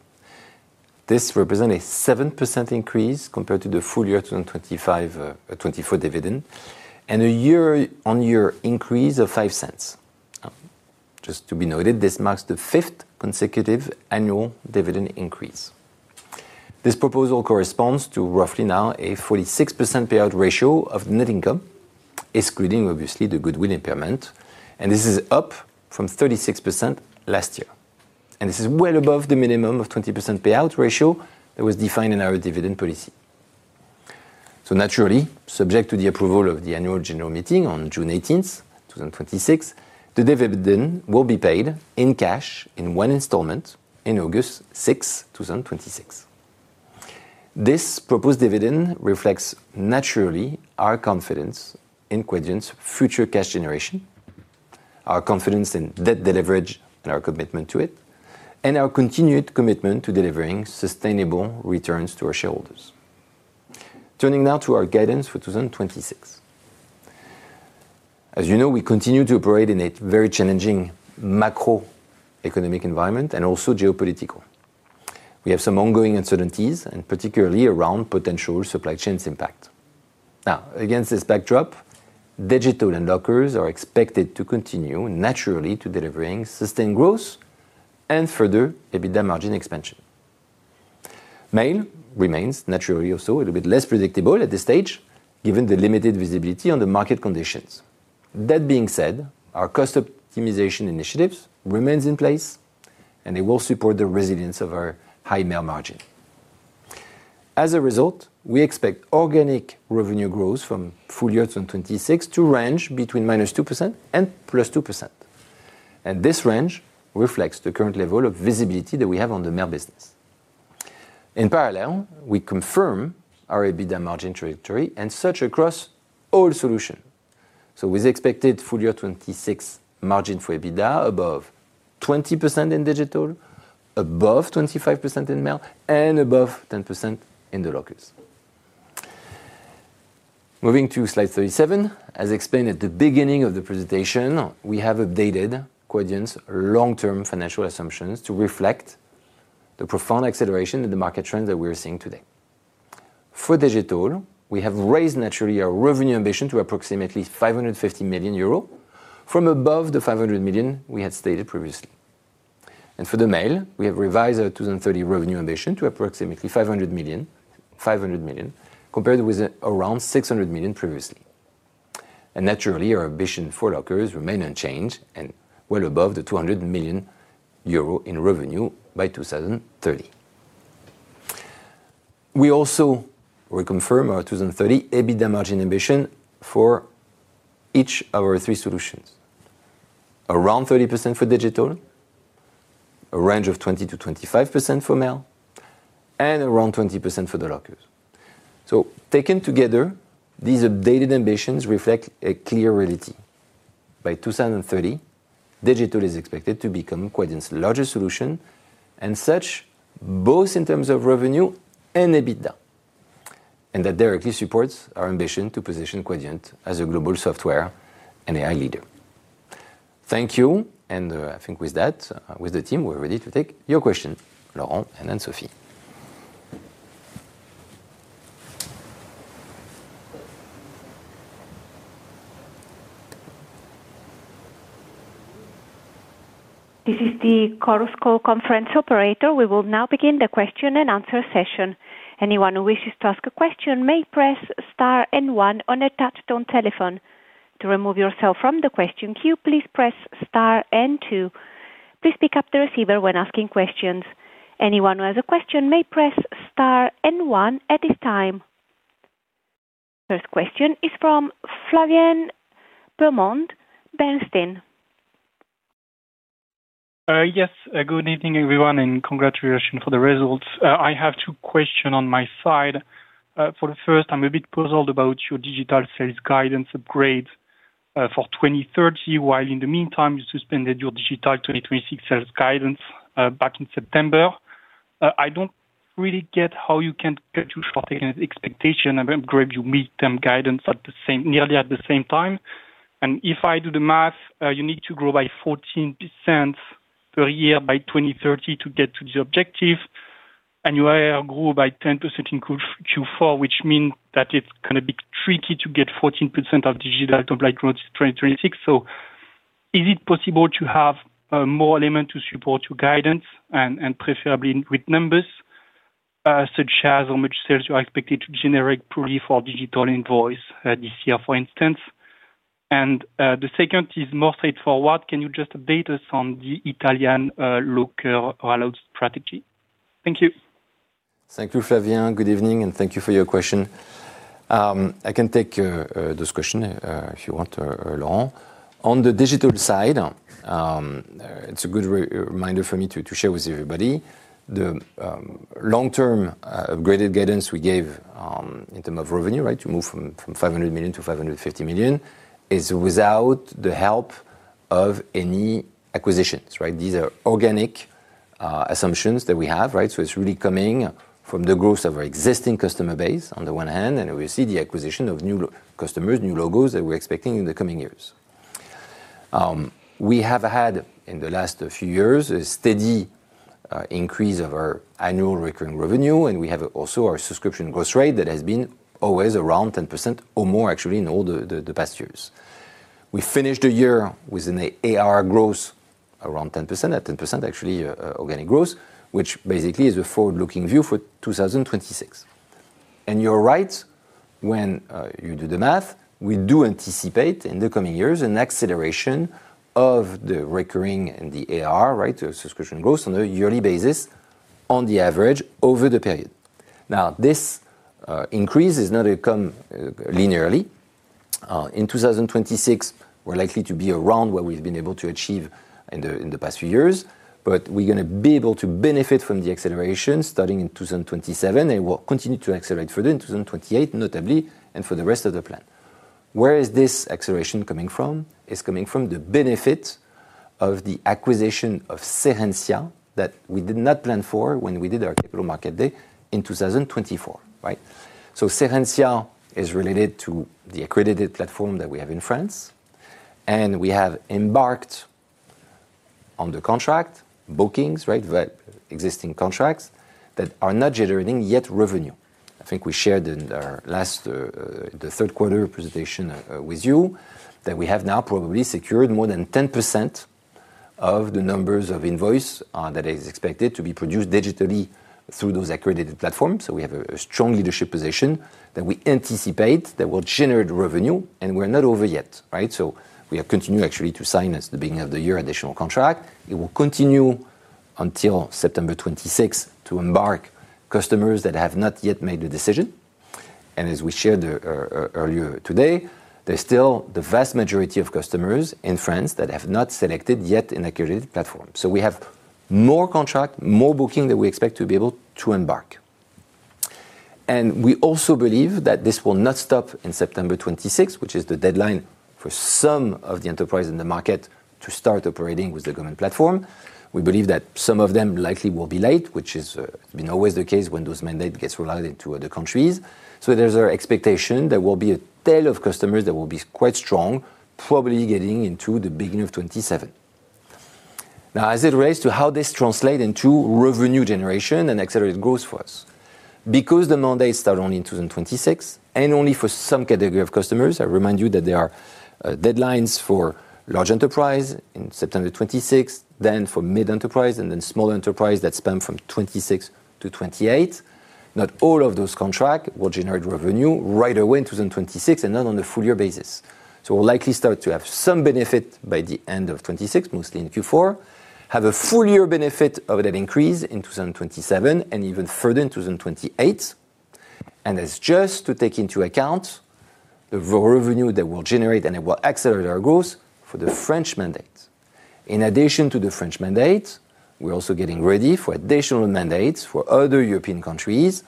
This represent a 7% increase compared to the full year 2024 dividend, and a year-on-year increase of 0.05. Just to be noted, this marks the fifth consecutive annual dividend increase. This proposal corresponds to roughly now a 46% payout ratio of net income, excluding obviously the goodwill impairment, and this is up from 36% last year. This is well above the minimum of 20% payout ratio that was defined in our dividend policy. Naturally, subject to the approval of the annual general meeting on June 18th, 2026, the dividend will be paid in cash in one installment on August 6th, 2026. This proposed dividend reflects naturally our confidence in Quadient's future cash generation, our confidence in debt leverage and our commitment to it, and our continued commitment to delivering sustainable returns to our shareholders. Turning now to our guidance for 2026. As you know, we continue to operate in a very challenging macroeconomic environment and also geopolitical. We have some ongoing uncertainties and particularly around potential supply chain impacts. Now, against this backdrop, digital and lockers are expected to continue naturally to delivering sustained growth and further EBITDA margin expansion. Mail remains naturally also a little bit less predictable at this stage given the limited visibility on the market conditions. That being said, our cost optimization initiatives remains in place, and they will support the resilience of our high mail margin. As a result, we expect organic revenue growth from full-year 2026 to range between -2% and +2%. This range reflects the current level of visibility that we have on the mail business. In parallel, we confirm our EBITDA margin trajectory and such across all solution. With expected full-year 2026 margin for EBITDA above 20% in digital, above 25% in mail, and above 10% in the lockers. Moving to slide 37. As explained at the beginning of the presentation, we have updated Quadient's long-term financial assumptions to reflect the profound acceleration in the market trends that we're seeing today. For digital, we have raised naturally our revenue ambition to approximately 550 million euro from above the 500 million we had stated previously. For the mail, we have revised our 2030 revenue ambition to approximately 500 million, compared with around 600 million previously. Naturally, our ambition for lockers remain unchanged and well above the 200 million euro in revenue by 2030. We also reconfirm our 2030 EBITDA margin ambition for each of our three solutions. Around 30% for digital, a range of 20%-25% for mail, and around 20% for the lockers. Taken together, these updated ambitions reflect a clear reality. By 2030, digital is expected to become Quadient's largest solution, and such both in terms of revenue and EBITDA. That directly supports our ambition to position Quadient as a global software and AI leader. Thank you. I think with that, with the team, we're ready to take your question. Laurent and then Sophie. First question is from Flavien Baudemont, Bernstein. Yes. Good evening, everyone, and congratulations for the results. I have two questions on my side. For the first, I'm a bit puzzled about your digital sales guidance upgrade for 2030, while in the meantime, you suspended your digital 2026 sales guidance back in September. I don't really get how you can get too far in expectation and upgrade your midterm guidance nearly at the same time. If I do the math, you need to grow by 14% per year by 2030 to get to the objective. You only grew by 10% in Q4, which means that it's gonna be tricky to get 14% of digital output by 2026. Is it possible to have more elements to support your guidance and preferably with numbers, such as how much sales you are expected to generate purely for digital invoicing this year, for instance? The second is more straightforward. Can you just update us on the Italian e-invoicing strategy? Thank you. Thank you, Flavien. Good evening, and thank you for your question. I can take this question if you want to along. On the digital side, it's a good reminder for me to share with everybody the long-term upgraded guidance we gave in terms of revenue, right? To move from 500 million to 550 million is without the help of any acquisitions, right? These are organic assumptions that we have, right? It's really coming from the growth of our existing customer base on the one hand, and we see the acquisition of new customers, new logos that we're expecting in the coming years. We have had, in the last few years, a steady increase of our annual recurring revenue, and we have also our subscription growth rate that has been always around 10% or more, actually, in all the past years. We finished the year with an AR growth around 10%. At 10% actually organic growth, which basically is a forward-looking view for 2026. You're right, when you do the math, we do anticipate in the coming years an acceleration of the recurring and the AR, right? The subscription growth on a yearly basis on the average over the period. Now, this increase is not come linearly. In 2026, we're likely to be around what we've been able to achieve in the past few years. We're gonna be able to benefit from the acceleration starting in 2027, and we'll continue to accelerate further in 2028, notably, and for the rest of the plan. Where is this acceleration coming from? It's coming from the benefit of the acquisition of Serensia that we did not plan for when we did our capital market day in 2024, right? Serensia is related to the accredited platform that we have in France, and we have embarked on the contract bookings, right? The existing contracts that are not yet generating revenue. I think we shared in our last, the third quarter presentation, with you that we have now probably secured more than 10% of the number of invoices that are expected to be produced digitally through those accredited platforms. We have a strong leadership position that we anticipate that will generate revenue, and we're not over yet, right? We have continued actually to sign at the beginning of the year additional contracts. It will continue until September 2026 to onboard customers that have not yet made a decision. As we shared earlier today, there's still the vast majority of customers in France that have not selected yet an accredited platform. We have more contracts, more bookings that we expect to be able to onboard. We also believe that this will not stop in September 2026, which is the deadline for some of the enterprises in the market to start operating with the government platform. We believe that some of them likely will be late, which has always been the case when those mandates get rolled out in other countries. There's our expectation. There will be a tail of customers that will be quite strong, probably getting into the beginning of 2027. Now as it relates to how this translate into revenue generation and accelerate growth for us. Because the mandates start only in 2026, and only for some category of customers, I remind you that there are deadlines for large enterprise in September 2026, then for mid-enterprise, and then small enterprise that span from 2026 to 2028. Not all of those contract will generate revenue right away in 2026 and not on a full year basis. We'll likely start to have some benefit by the end of 2026, mostly in Q4, have a full year benefit of that increase in 2027, and even further in 2028. That's just to take into account the revenue that will generate and it will accelerate our growth for the French mandate. In addition to the French mandate, we're also getting ready for additional mandates for other European countries,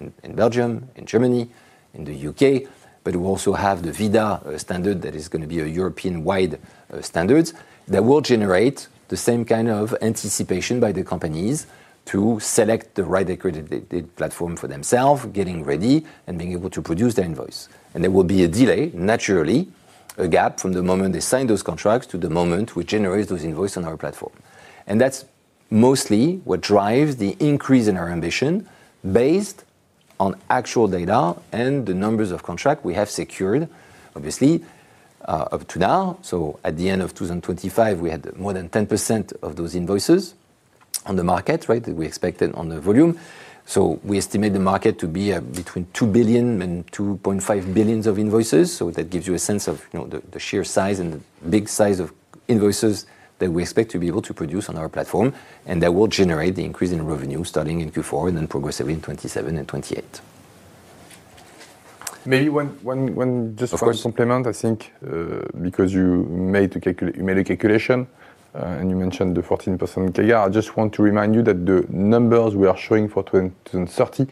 in Belgium, in Germany, in the U.K.. We also have the ViDA standard that is gonna be a European-wide standard that will generate the same kind of anticipation by the companies to select the right accredited platform for themselves, getting ready, and being able to produce their invoice. There will be a delay, naturally, a gap from the moment they sign those contracts to the moment we generate those invoice on our platform. That's mostly what drives the increase in our ambition based on actual data and the numbers of contract we have secured, obviously, up to now. At the end of 2025, we had more than 10% of those invoices on the market, right? That we expected on the volume. We estimate the market to be between 2 billion and 2.5 billion invoices. That gives you a sense of, you know, the sheer size and the big size of invoices that we expect to be able to produce on our platform, and that will generate the increase in revenue starting in Q4 and then progressively in 2027 and 2028. Maybe when, when- Of course. Just one comment, I think, because you made a calculation and you mentioned the 14% CAGR. I just want to remind you that the numbers we are showing for 2030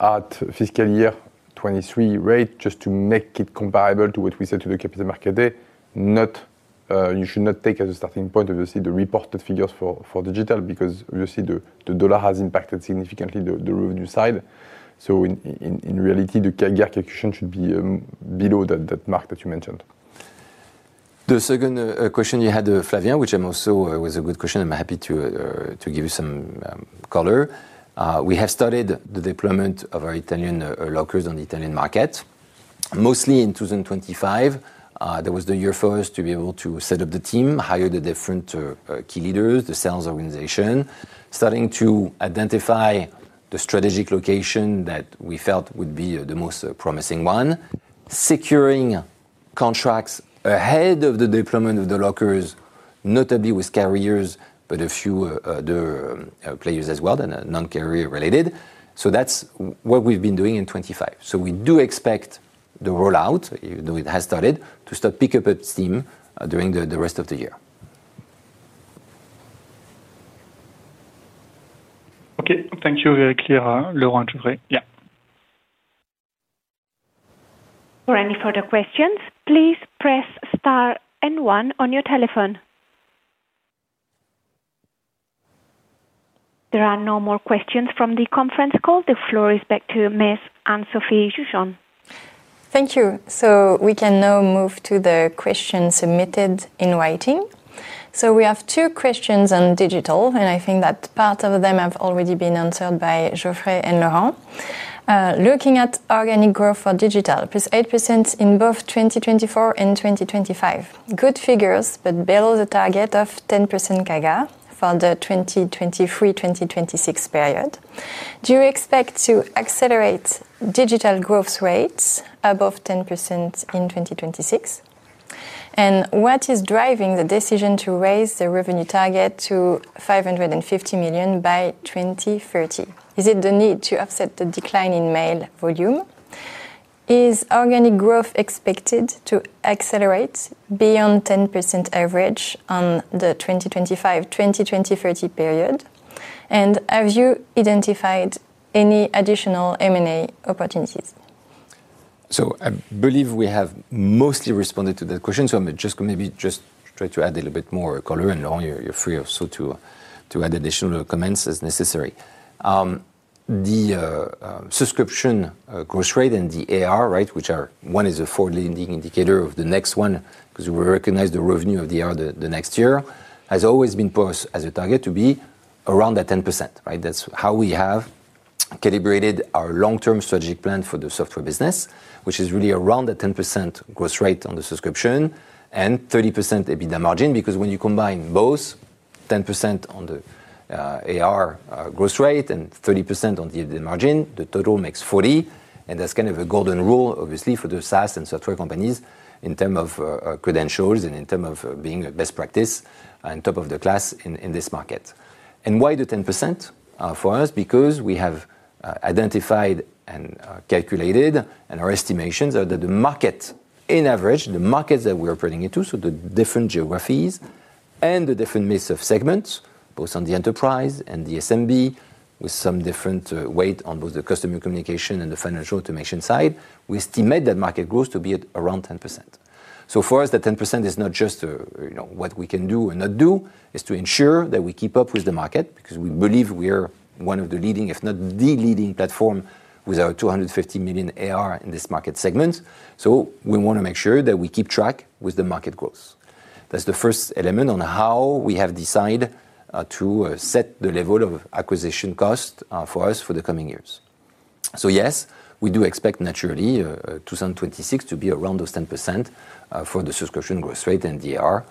at fiscal year 2023 rate, just to make it comparable to what we said to the Capital Markets Day, note that you should not take as a starting point, obviously, the reported figures for digital because obviously the dollar has impacted significantly the revenue side. In reality, the CAGR calculation should be below that mark that you mentioned. The second question you had, Flavien, which was also a good question. I'm happy to give you some color. We have started the deployment of our parcel lockers on the Italian market. Mostly in 2025, that was the year for us to be able to set up the team, hire the different key leaders, the sales organization, starting to identify the strategic location that we felt would be the most promising one, securing contracts ahead of the deployment of the lockers, notably with carriers, but a few other players as well, and non-carrier related. That's what we've been doing in 2025. We do expect the rollout, even though it has started, to pick up steam during the rest of the year. Okay. Thank you. Very clear, Laurent, Geoffrey. Yeah. For any further questions, please press star and one on your telephone. There are no more questions from the conference call. The floor is back to Miss Anne-Sophie Jugean. Thank you. We can now move to the questions submitted in writing. We have two questions on digital, and I think that part of them have already been answered by Geoffrey and Laurent. Looking at organic growth for digital, +8% in both 2024 and 2025. Good figures, but below the target of 10% CAGR for the 2023-2026 period. Do you expect to accelerate digital growth rates above 10% in 2026? And what is driving the decision to raise the revenue target to 550 million by 2030? Is it the need to offset the decline in mail volume? Is organic growth expected to accelerate beyond 10% average on the 2025-2030 period? And have you identified any additional M&A opportunities? I believe we have mostly responded to the questions, so I'm just gonna maybe just try to add a little bit more color. Laurent, you're free also to add additional comments as necessary. The subscription growth rate and the AR, right, which, one is a forward-looking indicator of the next one, 'cause we recognize the revenue of the other, the next year, has always been for us as a target to be around that 10%, right? That's how we have calibrated our long-term strategic plan for the software business, which is really around the 10% growth rate on the subscription and 30% EBITDA margin, because when you combine both, 10% on the AR growth rate and 30% on the EBITDA margin, the total makes 40%. That's kind of a golden rule, obviously, for the SaaS and software companies in terms of credentials and in terms of being a best practice and top of the class in this market. Why the 10%, for us? Because we have identified and calculated and our estimations are that the market on average, the markets that we are putting into, so the different geographies and the different mix of segments, both on the enterprise and the SMB, with some different weight on both the customer communication and the financial automation side, we estimate that market growth to be at around 10%. For us, the 10% is not just, you know, what we can do and not do. It's to ensure that we keep up with the market, because we believe we are one of the leading, if not the leading platform with our 250 million AR in this market segment. We wanna make sure that we keep track with the market growth. That's the first element on how we have decided to set the level of acquisition cost for us for the coming years. Yes, we do expect naturally 2026 to be around those 10% for the subscription growth rate and DR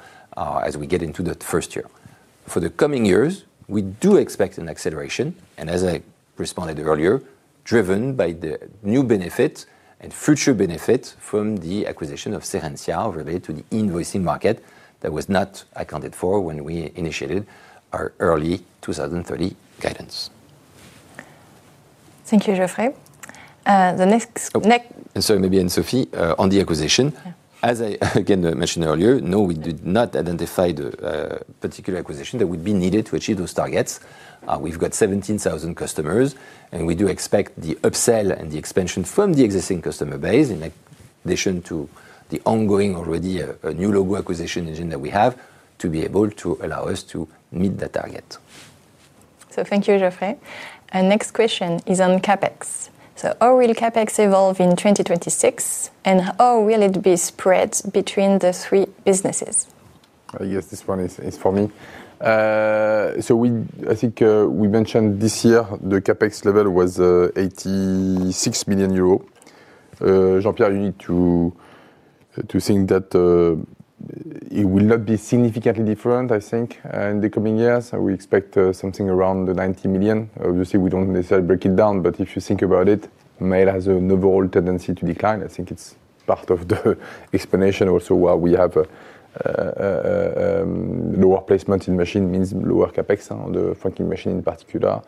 as we get into the first year. For the coming years, we do expect an acceleration, and as I responded earlier, driven by the new benefit and future benefit from the acquisition of Serensia related to the invoicing market that was not accounted for when we initiated our early 2030 guidance. Thank you, Geoffrey. The next Oh, maybe on Sophie, on the acquisition. Yeah. As I again mentioned earlier, no, we did not identify the particular acquisition that would be needed to achieve those targets. We've got 17,000 customers, and we do expect the upsell and the expansion from the existing customer base in addition to the ongoing already new logo acquisition engine that we have to be able to allow us to meet the target. Thank you, Geoffrey. Next question is on CapEx. How will CapEx evolve in 2026, and how will it be spread between the three businesses? I guess this one is for me. I think we mentioned this year the CapEx level was 86 million euros. Jean-Pierre, you need to think that it will not be significantly different, I think, in the coming years. We expect something around the 90 million. Obviously, we don't necessarily break it down, but if you think about it, Mail has an overall tendency to decline. I think it's part of the explanation also why we have a lower placement in machine means lower CapEx on the franking machine in particular.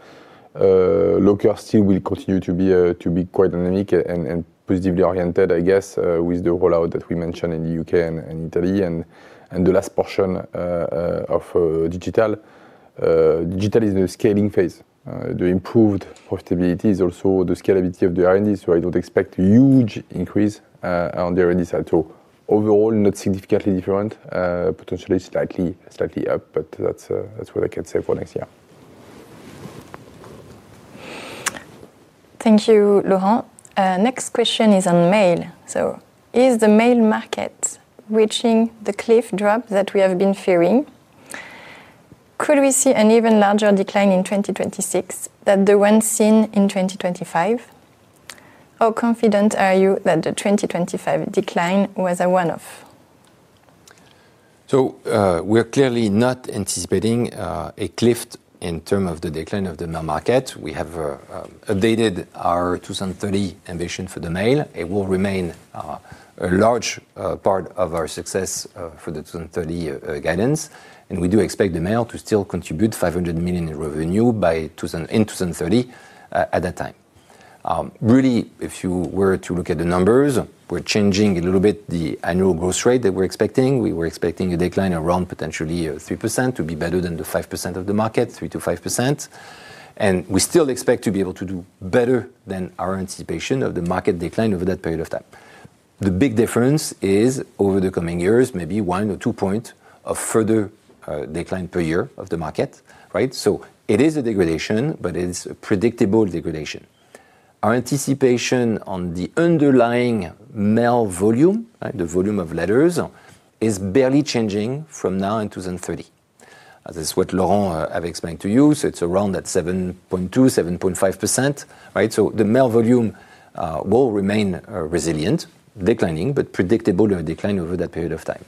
Lockers still will continue to be quite unique and positively oriented, I guess, with the rollout that we mentioned in the U.K. and Italy. The last portion of digital. Digital is in a scaling phase. The improved profitability is also the scalability of the R&D. I don't expect huge increase on the R&D side. Overall, not significantly different. Potentially slightly up, but that's what I can say for next year. Thank you, Laurent. Next question is on mail. Is the mail market reaching the cliff drop that we have been fearing? Could we see an even larger decline in 2026 than the one seen in 2025? How confident are you that the 2025 decline was a one-off? We're clearly not anticipating a cliff in terms of the decline of the mail market. We have updated our 2030 ambition for the mail. It will remain a large part of our success for the 2030 guidance, and we do expect the mail to still contribute 500 million in revenue by 2030 at that time. Really, if you were to look at the numbers, we're changing a little bit the annual growth rate that we're expecting. We were expecting a decline around potentially 3% to be better than the 5% of the market, 3%-5%. We still expect to be able to do better than our anticipation of the market decline over that period of time. The big difference is over the coming years, maybe one or two points of further decline per year of the market, right? It is a degradation, but it is a predictable degradation. Our anticipation on the underlying mail volume, right, the volume of letters, is barely changing from now to 2030. This is what Laurent have explained to you. It's around that 7.2%-7.5%, right? The mail volume will remain resilient, declining, but predictable decline over that period of time.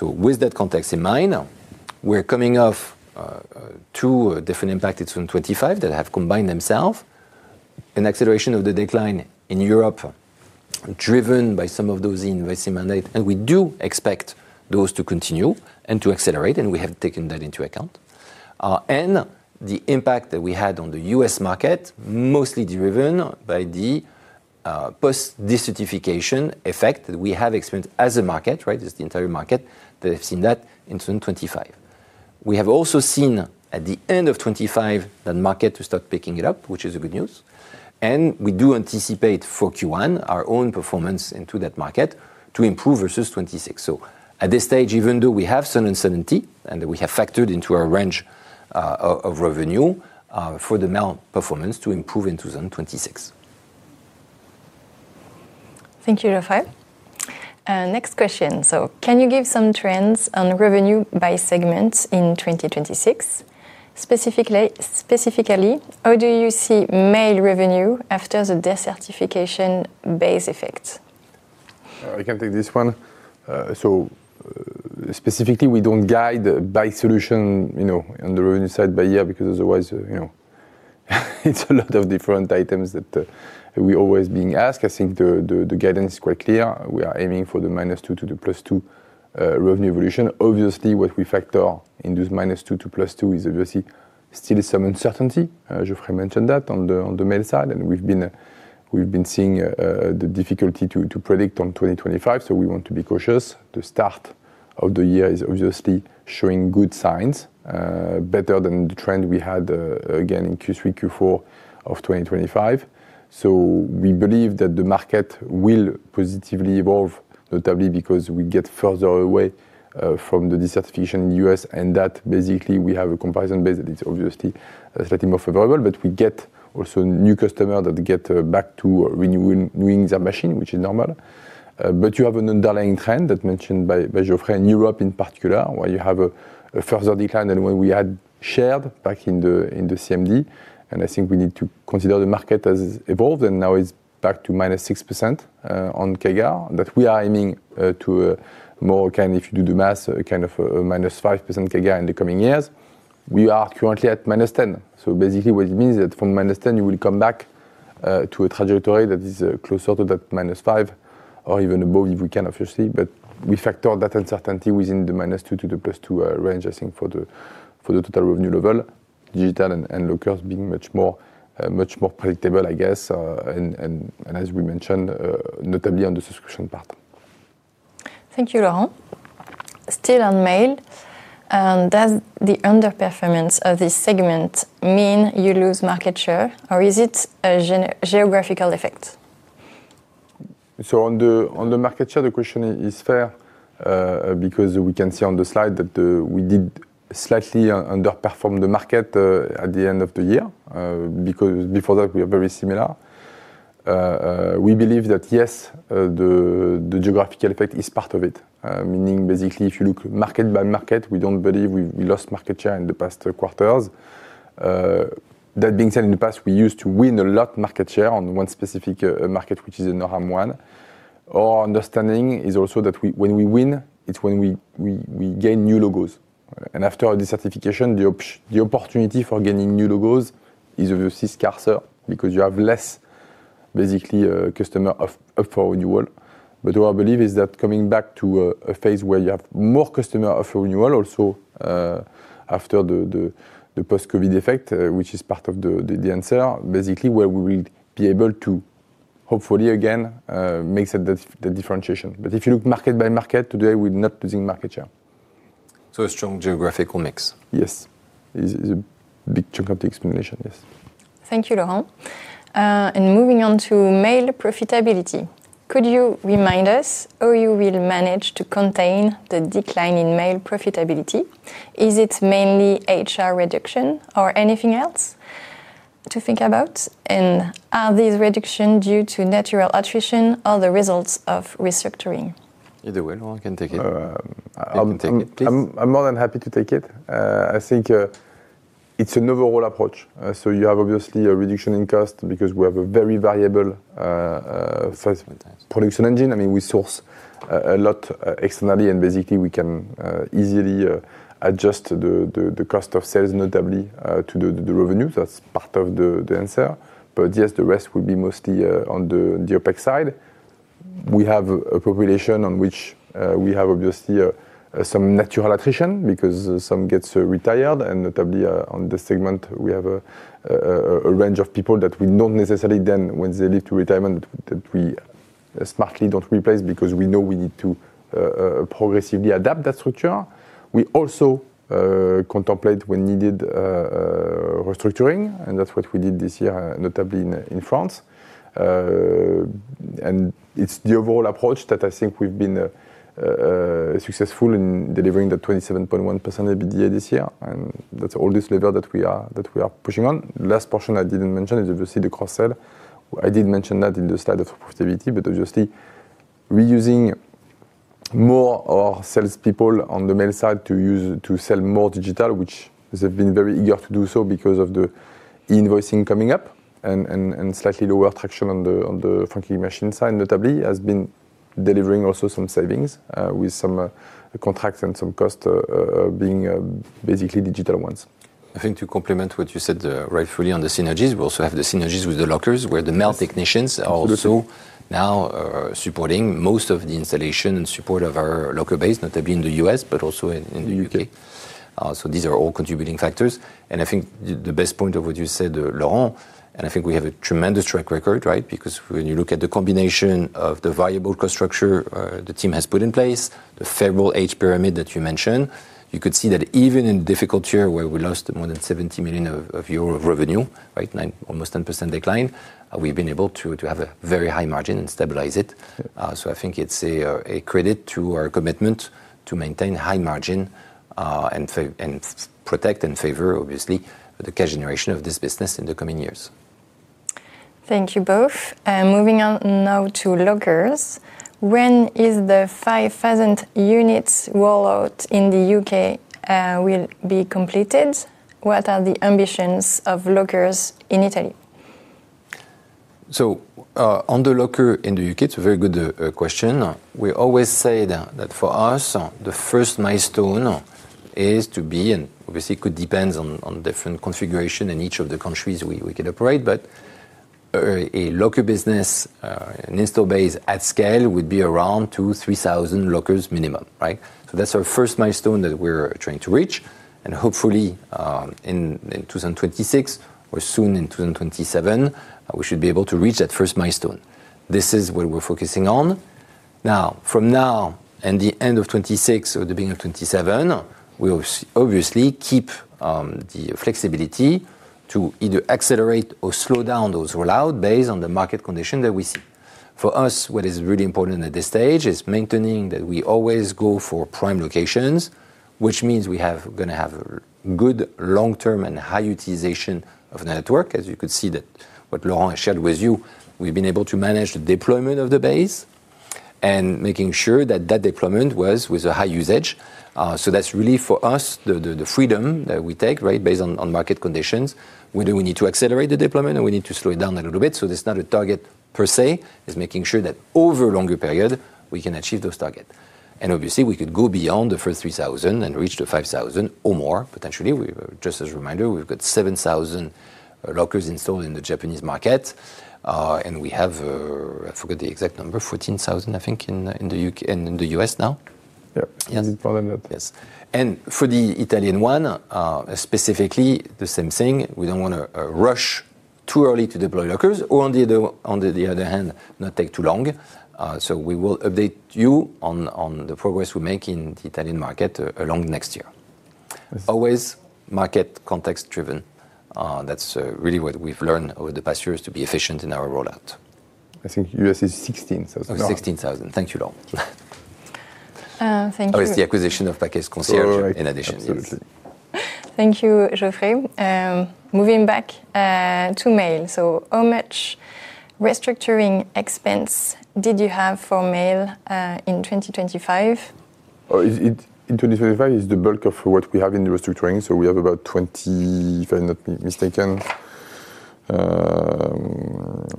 With that context in mind, we're coming off two different impacts in 2025 that have combined themselves. An acceleration of the decline in Europe driven by some of those investment mandates, and we do expect those to continue and to accelerate, and we have taken that into account. The impact that we had on the U.S. market, mostly driven by the post-decertification effect that we have experienced as a market, right? It's the entire market that have seen that in 2025. We have also seen at the end of 2025 that market to start picking it up, which is a good news. We do anticipate for Q1 our own performance into that market to improve versus 2026. At this stage, even though we have some uncertainty, and we have factored into our range of revenue for the mail performance to improve in 2026. Thank you, Geoffrey Godet. Next question. Can you give some trends on revenue by segment in 2026? Specifically, how do you see mail revenue after the deconsolidation base effect? I can take this one. Specifically, we don't guide by solution, you know, on the revenue side by year, because otherwise, you know, it's a lot of different items that we always being asked. I think the guidance is quite clear. We are aiming for the -2% to +2% revenue evolution. Obviously, what we factor in this -2% to +2% is obviously still some uncertainty. Geoffrey mentioned that on the mail side, and we've been seeing the difficulty to predict for 2025. We want to be cautious. The start of the year is obviously showing good signs, better than the trend we had again in Q3, Q4 of 2025. We believe that the market will positively evolve, notably because we get further away from the decertification in U.S., and that basically we have a comparison base that is obviously slightly more favorable. We get also new customer that get back to renewing their machine, which is normal. You have an underlying trend mentioned by Geoffrey. In Europe in particular, where you have a further decline than what we had shared back in the CMD, and I think we need to consider the market has evolved, and now is back to -6% on CAGR that we are aiming to more again, if you do the math, kind of -5% CAGR in the coming years. We are currently at -10%, so basically what it means is that from -10% you will come back to a trajectory that is closer to that -5% or even above if we can, obviously. We factor that uncertainty within the -2% to +2% range, I think, for the total revenue level. Digital and lockers being much more predictable, I guess, and as we mentioned, notably on the subscription part. Thank you, Laurent. Still on mail, does the underperformance of this segment mean you lose market share, or is it a geographical effect? On the market share, the question is fair, because we can see on the slide that we did slightly underperform the market at the end of the year, because before that we are very similar. We believe that yes, the geographical effect is part of it, meaning basically if you look market by market, we don't believe we lost market share in the past quarters. That being said, in the past we used to win a lot market share on one specific market, which is the NAM one. Our understanding is also that when we win, it's when we gain new logos. After decertification, the opportunity for gaining new logos is obviously scarcer because you have less customers up for renewal. What I believe is that coming back to a phase where you have more customer renewals also, after the post-COVID effect, which is part of the answer, basically, where we will be able to, hopefully again, make the differentiation. If you look market by market, today we're not losing market share. A strong geographical mix. Yes. Is a big chunk of the explanation, yes. Thank you, Laurent. Moving on to mail profitability, could you remind us how you will manage to contain the decline in mail profitability? Is it mainly HR reduction or anything else to think about? Are these reduction due to natural attrition or the results of restructuring? Either way. Laurent can take it. Um- He can take it, please. I'm more than happy to take it. I think it's an overall approach. You have obviously a reduction in cost because we have a very variable size- Production. Production engine. I mean, we source a lot externally, and basically we can easily adjust the cost of sales, notably to the revenue. That's part of the answer. Yes, the rest will be mostly on the OpEx side. We have a population on which we have obviously some natural attrition because some get retired and notably on this segment we have a range of people that we not necessarily then when they leave to retirement that we smartly don't replace because we know we need to progressively adapt that structure. We also contemplate when needed restructuring, and that's what we did this year, notably in France. It's the overall approach that I think we've been successful in delivering the 27.1% EBITDA this year. That's all the levers that we are pushing on. Last portion I didn't mention is obviously the cross-sell. I did mention that in the slide of profitability, but obviously reusing more of our salespeople on the mail side to sell more digital, which has been very eager to do so because of the e-invoicing coming up and slightly lower traction on the franking machine side notably has been delivering also some savings with some contracts and some cost being basically digital ones. I think to complement what you said, rightfully on the synergies, we also have the synergies with the lockers where the mail technicians are also now supporting most of the installation and support of our locker base, notably in the U.S., but also in the U.K.. These are all contributing factors. I think the best point of what you said, Laurent, and I think we have a tremendous track record, right? Because when you look at the combination of the variable cost structure, the team has put in place, the favorable age pyramid that you mentioned, you could see that even in difficult year where we lost more than 70 million euros of revenue, right? Almost 10% decline, we've been able to have a very high margin and stabilize it. I think it's a credit to our commitment to maintain high margin and protect and favor, obviously, the cash generation of this business in the coming years. Thank you both. Moving on now to Lockers. When is the 5,000 units rollout in the U.K. will be completed? What are the ambitions of Lockers in Italy? On the locker in the U.K., it's a very good question. We always say that for us the first milestone is to be, and obviously it depends on different configurations in each of the countries we could operate, but a locker business, an installed base at scale would be around 2,000-3,000 lockers minimum, right? That's our first milestone that we're trying to reach, and hopefully in 2026 or soon in 2027, we should be able to reach that first milestone. This is what we're focusing on. Now, from now and the end of 2026 or the beginning of 2027, we obviously keep the flexibility to either accelerate or slow down those rollouts based on the market conditions that we see. For us, what is really important at this stage is maintaining that we always go for prime locations, which means we're gonna have a good long-term and high utilization of network. As you could see that what Laurent shared with you, we've been able to manage the deployment of the base and making sure that that deployment was with a high usage. That's really for us the freedom that we take, right, based on market conditions, whether we need to accelerate the deployment or we need to slow it down a little bit. There's not a target per se. It's making sure that over a longer period we can achieve those target. Obviously, we could go beyond the first 3,000 and reach to 5,000 or more potentially. Just as a reminder, we've got 7,000 lockers installed in the Japanese market. We have, I forgot the exact number, 14,000, I think, in the U.K. and in the U.S. now. Yeah. Yes. Probably, yes. For the Italian one, specifically the same thing. We don't wanna rush too early to deploy lockers or on the other hand, not take too long. We will update you on the progress we make in the Italian market along next year. Yes. Always market context driven. That's really what we've learned over the past years to be efficient in our rollout. I think U.S. is 16,000 now. Oh, 16,000. Thank you, Laurent. Thank you. Oh, it's the acquisition of Package Concierge in addition. Right. Absolutely. Thank you, Geoffrey. Moving back to mail. How much restructuring expense did you have for mail in 2025? It in 2025 is the bulk of what we have in the restructuring. We have about 20, if I'm not mistaken,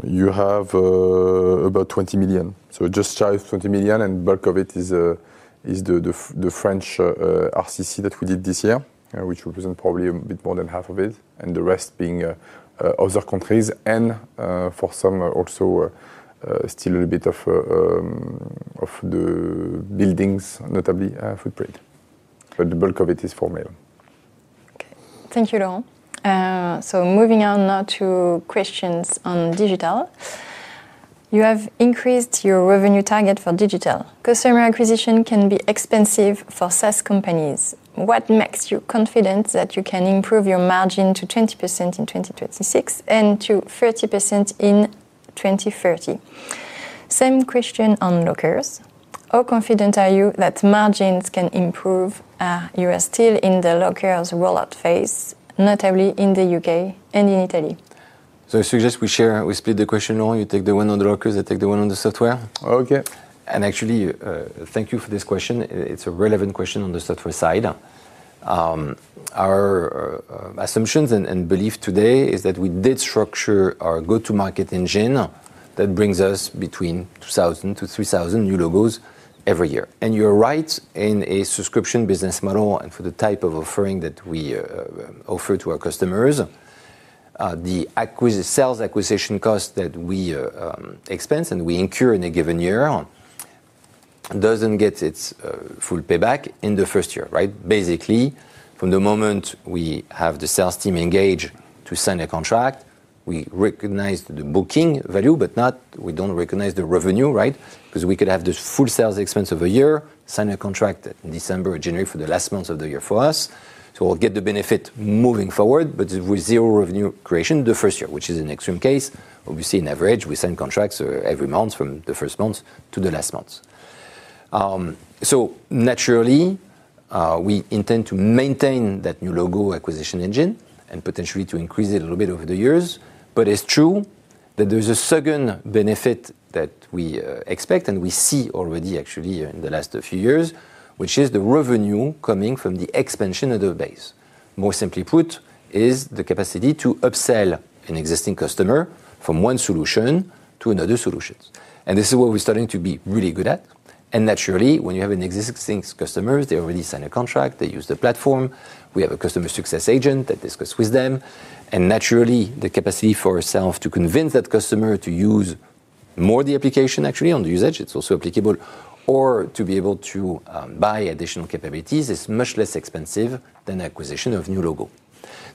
you have about 20 million. Just shy of 20 million, and bulk of it is the French RCC that we did this year, which represent probably a bit more than half of it, and the rest being other countries and for some also still a little bit of the buildings, notably footprint. The bulk of it is for mail. Okay. Thank you, Laurent. Moving on now to questions on digital. You have increased your revenue target for digital. Customer acquisition can be expensive for SaaS companies. What makes you confident that you can improve your margin to 20% in 2026 and to 30% in 2030? Same question on lockers. How confident are you that margins can improve, you are still in the lockers rollout phase, notably in the U.K. and in Italy? I suggest we split the question, Laurent. You take the one on the lockers, I take the one on the software. Okay. Actually, thank you for this question. It's a relevant question on the software side. Our assumptions and belief today is that we did structure our go-to-market engine that brings us between 2,000-3,000 new logos every year. You're right, in a subscription business model and for the type of offering that we offer to our customers, the sales acquisition cost that we expense and we incur in a given year doesn't get its full payback in the first year, right? Basically, from the moment we have the sales team engage to sign a contract, we recognize the booking value, but we don't recognize the revenue, right? Because we could have this full sales expense of a year, sign a contract in December or January for the last months of the year for us. We'll get the benefit moving forward, but with zero revenue creation the first year, which is an extreme case. Obviously, in average, we sign contracts every month from the first month to the last month. Naturally, we intend to maintain that new logo acquisition engine and potentially to increase it a little bit over the years. It's true that there's a second benefit that we expect and we see already actually in the last few years, which is the revenue coming from the expansion of the base. More simply put, is the capacity to upsell an existing customer from one solution to another solutions. This is what we're starting to be really good at. Naturally, when you have an existing customers, they already sign a contract, they use the platform. We have a customer success agent that discuss with them. Naturally, the capacity for sales to convince that customer to use more of the application, actually on the usage, it's also applicable, or to be able to buy additional capabilities is much less expensive than acquisition of new logo.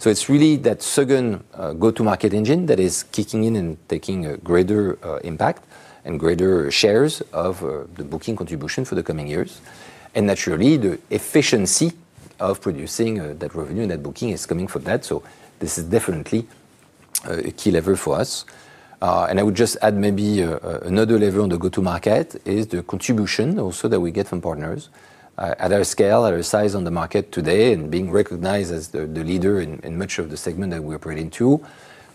It's really that second go-to-market engine that is kicking in and taking a greater impact and greater shares of the booking contribution for the coming years. Naturally, the efficiency of producing that revenue, net booking is coming from that. This is definitely a key lever for us. I would just add maybe another lever on the go-to-market is the contribution also that we get from partners. At our scale, at our size on the market today, and being recognized as the leader in much of the segment that we operate into,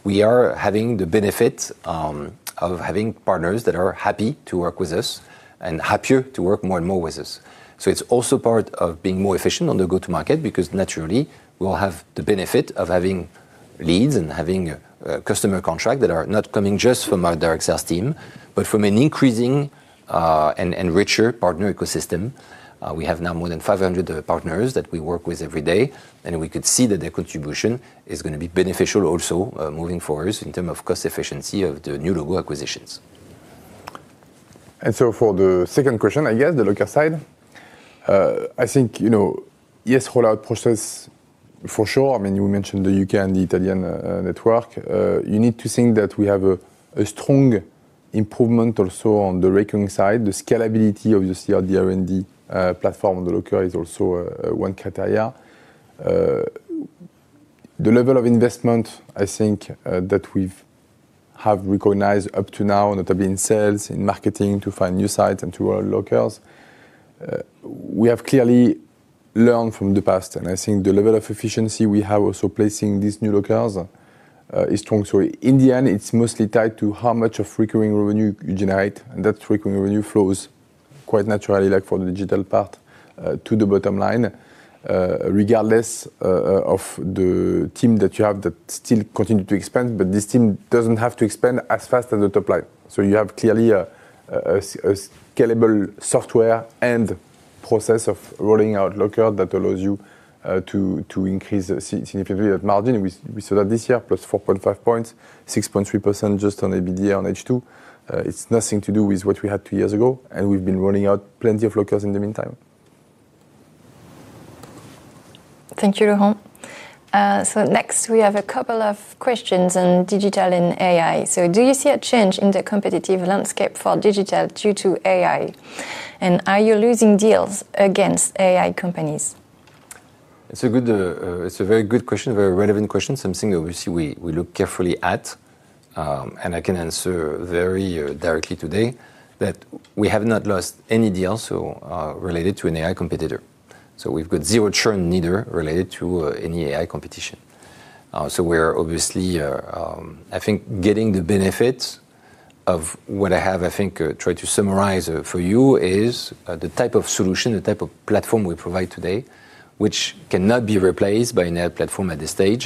we are having the benefit of having partners that are happy to work with us and happier to work more and more with us. It's also part of being more efficient on the go to market because naturally we'll have the benefit of having leads and having customer contract that are not coming just from our direct sales team, but from an increasing and richer partner ecosystem. We have now more than 500 partners that we work with every day, and we could see that their contribution is gonna be beneficial also moving forward in term of cost efficiency of the new logo acquisitions. For the second question, I guess, the local side. I think, you know, yes, rollout process for sure. I mean, you mentioned the U.K. and the Italian network. You need to think that we have a strong improvement also on the recurring side. The scalability of the R&D platform locale is also one criteria. The level of investment, I think, that we've recognized up to now and that have been sales and marketing to find new sites and to our locales. We have clearly learned from the past, and I think the level of efficiency we have also placing these new locales is strong. In the end, it's mostly tied to how much of recurring revenue you generate, and that recurring revenue flow is quite naturally like for the digital part to the bottom line. Regardless of the team that you have that still continue to expand, but this team doesn't have to expand as fast as the top line. You have clearly a scalable software and process of rolling out lockers that allows you to increase significantly at margin. We saw that this year, +4.5 points, 6.3% just on EBITDA on H2. It's nothing to do with what we had two years ago, and we've been rolling out plenty of lockers in the meantime. Thank you, Laurent. Next we have a couple of questions on digital and AI. Do you see a change in the competitive landscape for digital due to AI? And are you losing deals against AI companies? It's a very good question, a very relevant question. Something obviously we look carefully at, and I can answer very directly today that we have not lost any deal so, related to an AI competitor. We've got zero churn neither related to any AI competition. We're obviously, I think getting the benefits of what I have, I think, tried to summarize for you is, the type of solution, the type of platform we provide today, which cannot be replaced by an AI platform at this stage.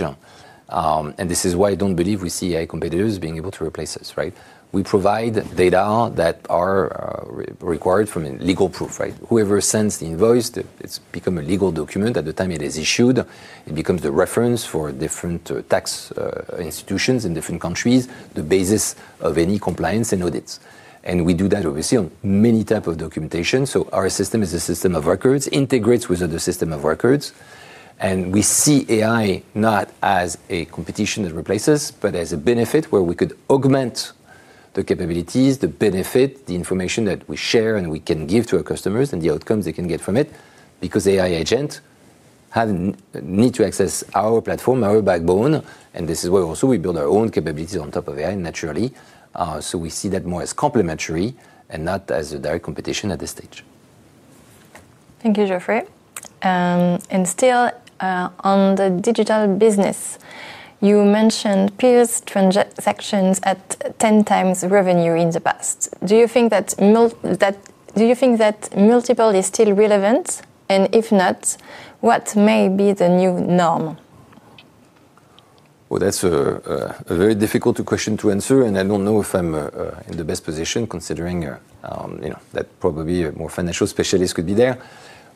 This is why I don't believe we see AI competitors being able to replace us, right? We provide data that are required for a legal proof, right? Whoever sends the invoice, it's become a legal document at the time it is issued. It becomes the reference for different tax institutions in different countries, the basis of any compliance and audits. We do that obviously on many type of documentation. Our system is a system of records, integrates with other system of records, and we see AI not as a competition that replace us, but as a benefit where we could augment the capabilities, the benefit, the information that we share, and we can give to our customers and the outcomes they can get from it, because AI agent have need to access our platform, our backbone, and this is where also we build our own capabilities on top of AI naturally. We see that more as complementary and not as a direct competition at this stage. Thank you, Geoffrey. Still, on the digital business, you mentioned peers transactions at 10x revenue in the past. Do you think that multiple is still relevant? If not, what may be the new norm? Well, that's a very difficult question to answer, and I don't know if I'm in the best position considering you know that probably a more financial specialist could be there.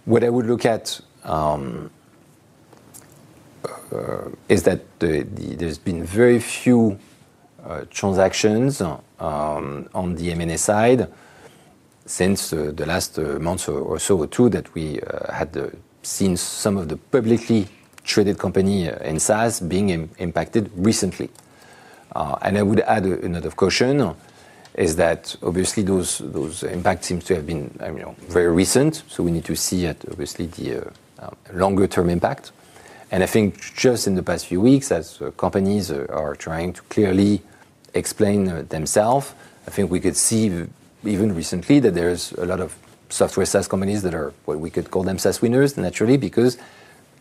What I would look at is that there's been very few transactions on the M&A side since the last month or so or two that we had seen some of the publicly traded company in SaaS being impacted recently. I would add a note of caution is that obviously those impacts seem to have been you know very recent, so we need to see obviously the longer term impact. I think just in the past few weeks, as companies are trying to clearly explain themselves, I think we could see even recently that there's a lot of software SaaS companies that are, well, we could call them SaaS winners naturally, because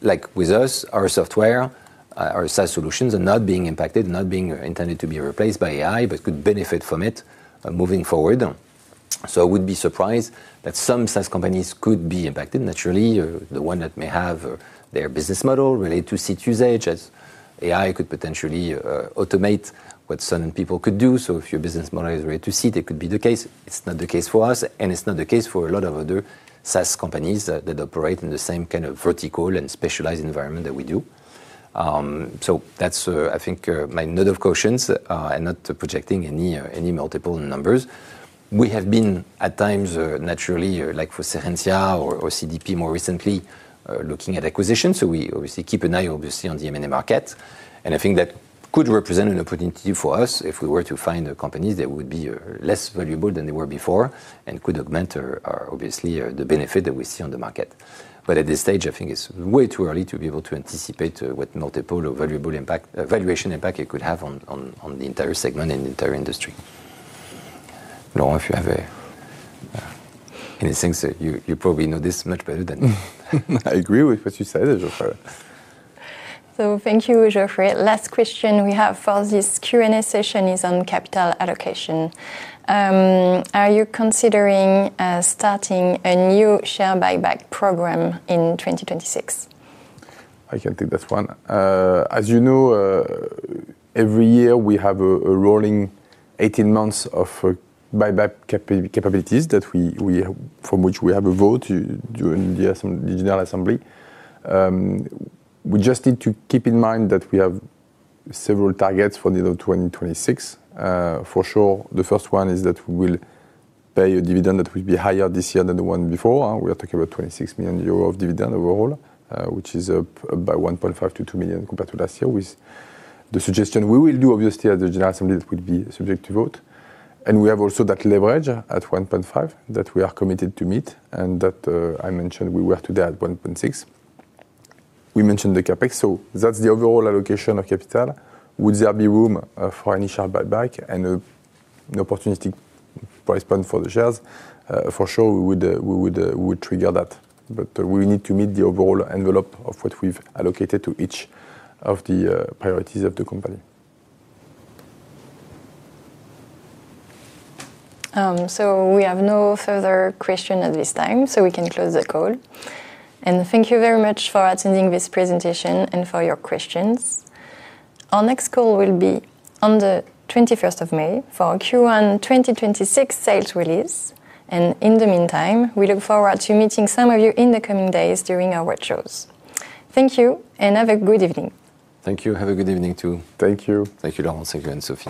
like with us, our software, our SaaS solutions are not being impacted, not being intended to be replaced by AI, but could benefit from it, moving forward. I would be surprised that some SaaS companies could be impacted naturally or the one that may have their business model related to seat usage as AI could potentially, automate what certain people could do. If your business model is related to seat, it could be the case. It's not the case for us, and it's not the case for a lot of other SaaS companies that operate in the same kind of vertical and specialized environment that we do. That's, I think, my note of cautions, and not projecting any multiple numbers. We have been at times, naturally, like for Serensia or CDP more recently, looking at acquisitions. We obviously keep an eye obviously on the M&A market. I think that could represent an opportunity for us if we were to find companies that would be less valuable than they were before and could augment or obviously or the benefit that we see on the market. At this stage, I think it's way too early to be able to anticipate what multiple or valuation impact it could have on the entire segment and the entire industry. Laurent, if you have anything, so you probably know this much better than me. I agree with what you said, Geoffrey. Thank you, Geoffrey. Last question we have for this Q&A session is on capital allocation. Are you considering starting a new share buyback program in 2026? I can take that one. As you know, every year we have a rolling 18 months of buyback capabilities from which we have a vote during the annual assembly. We just need to keep in mind that we have several targets for the year 2026. For sure, the first one is that we'll pay a dividend that will be higher this year than the one before. We are talking about 26 million euro of dividend overall, which is up by 1.5 million-2 million compared to last year with the suggestion we will do obviously at the general assembly. It would be subject to vote. We have also that leverage at 1.5 that we are committed to meet and that I mentioned we were today at 1.6. We mentioned the CapEx, so that's the overall allocation of capital. Would there be room for any share buyback and an opportunity price point for the shares? For sure, we would trigger that. We need to meet the overall envelope of what we've allocated to each of the priorities of the company. We have no further question at this time, so we can close the call. Thank you very much for attending this presentation and for your questions. Our next call will be on the 21st of May for our Q1 2026 sales release. In the meantime, we look forward to meeting some of you in the coming days during our roadshows. Thank you, and have a good evening. Thank you. Have a good evening too. Thank you. Thank you, Laurent, Cedric, and Sophie.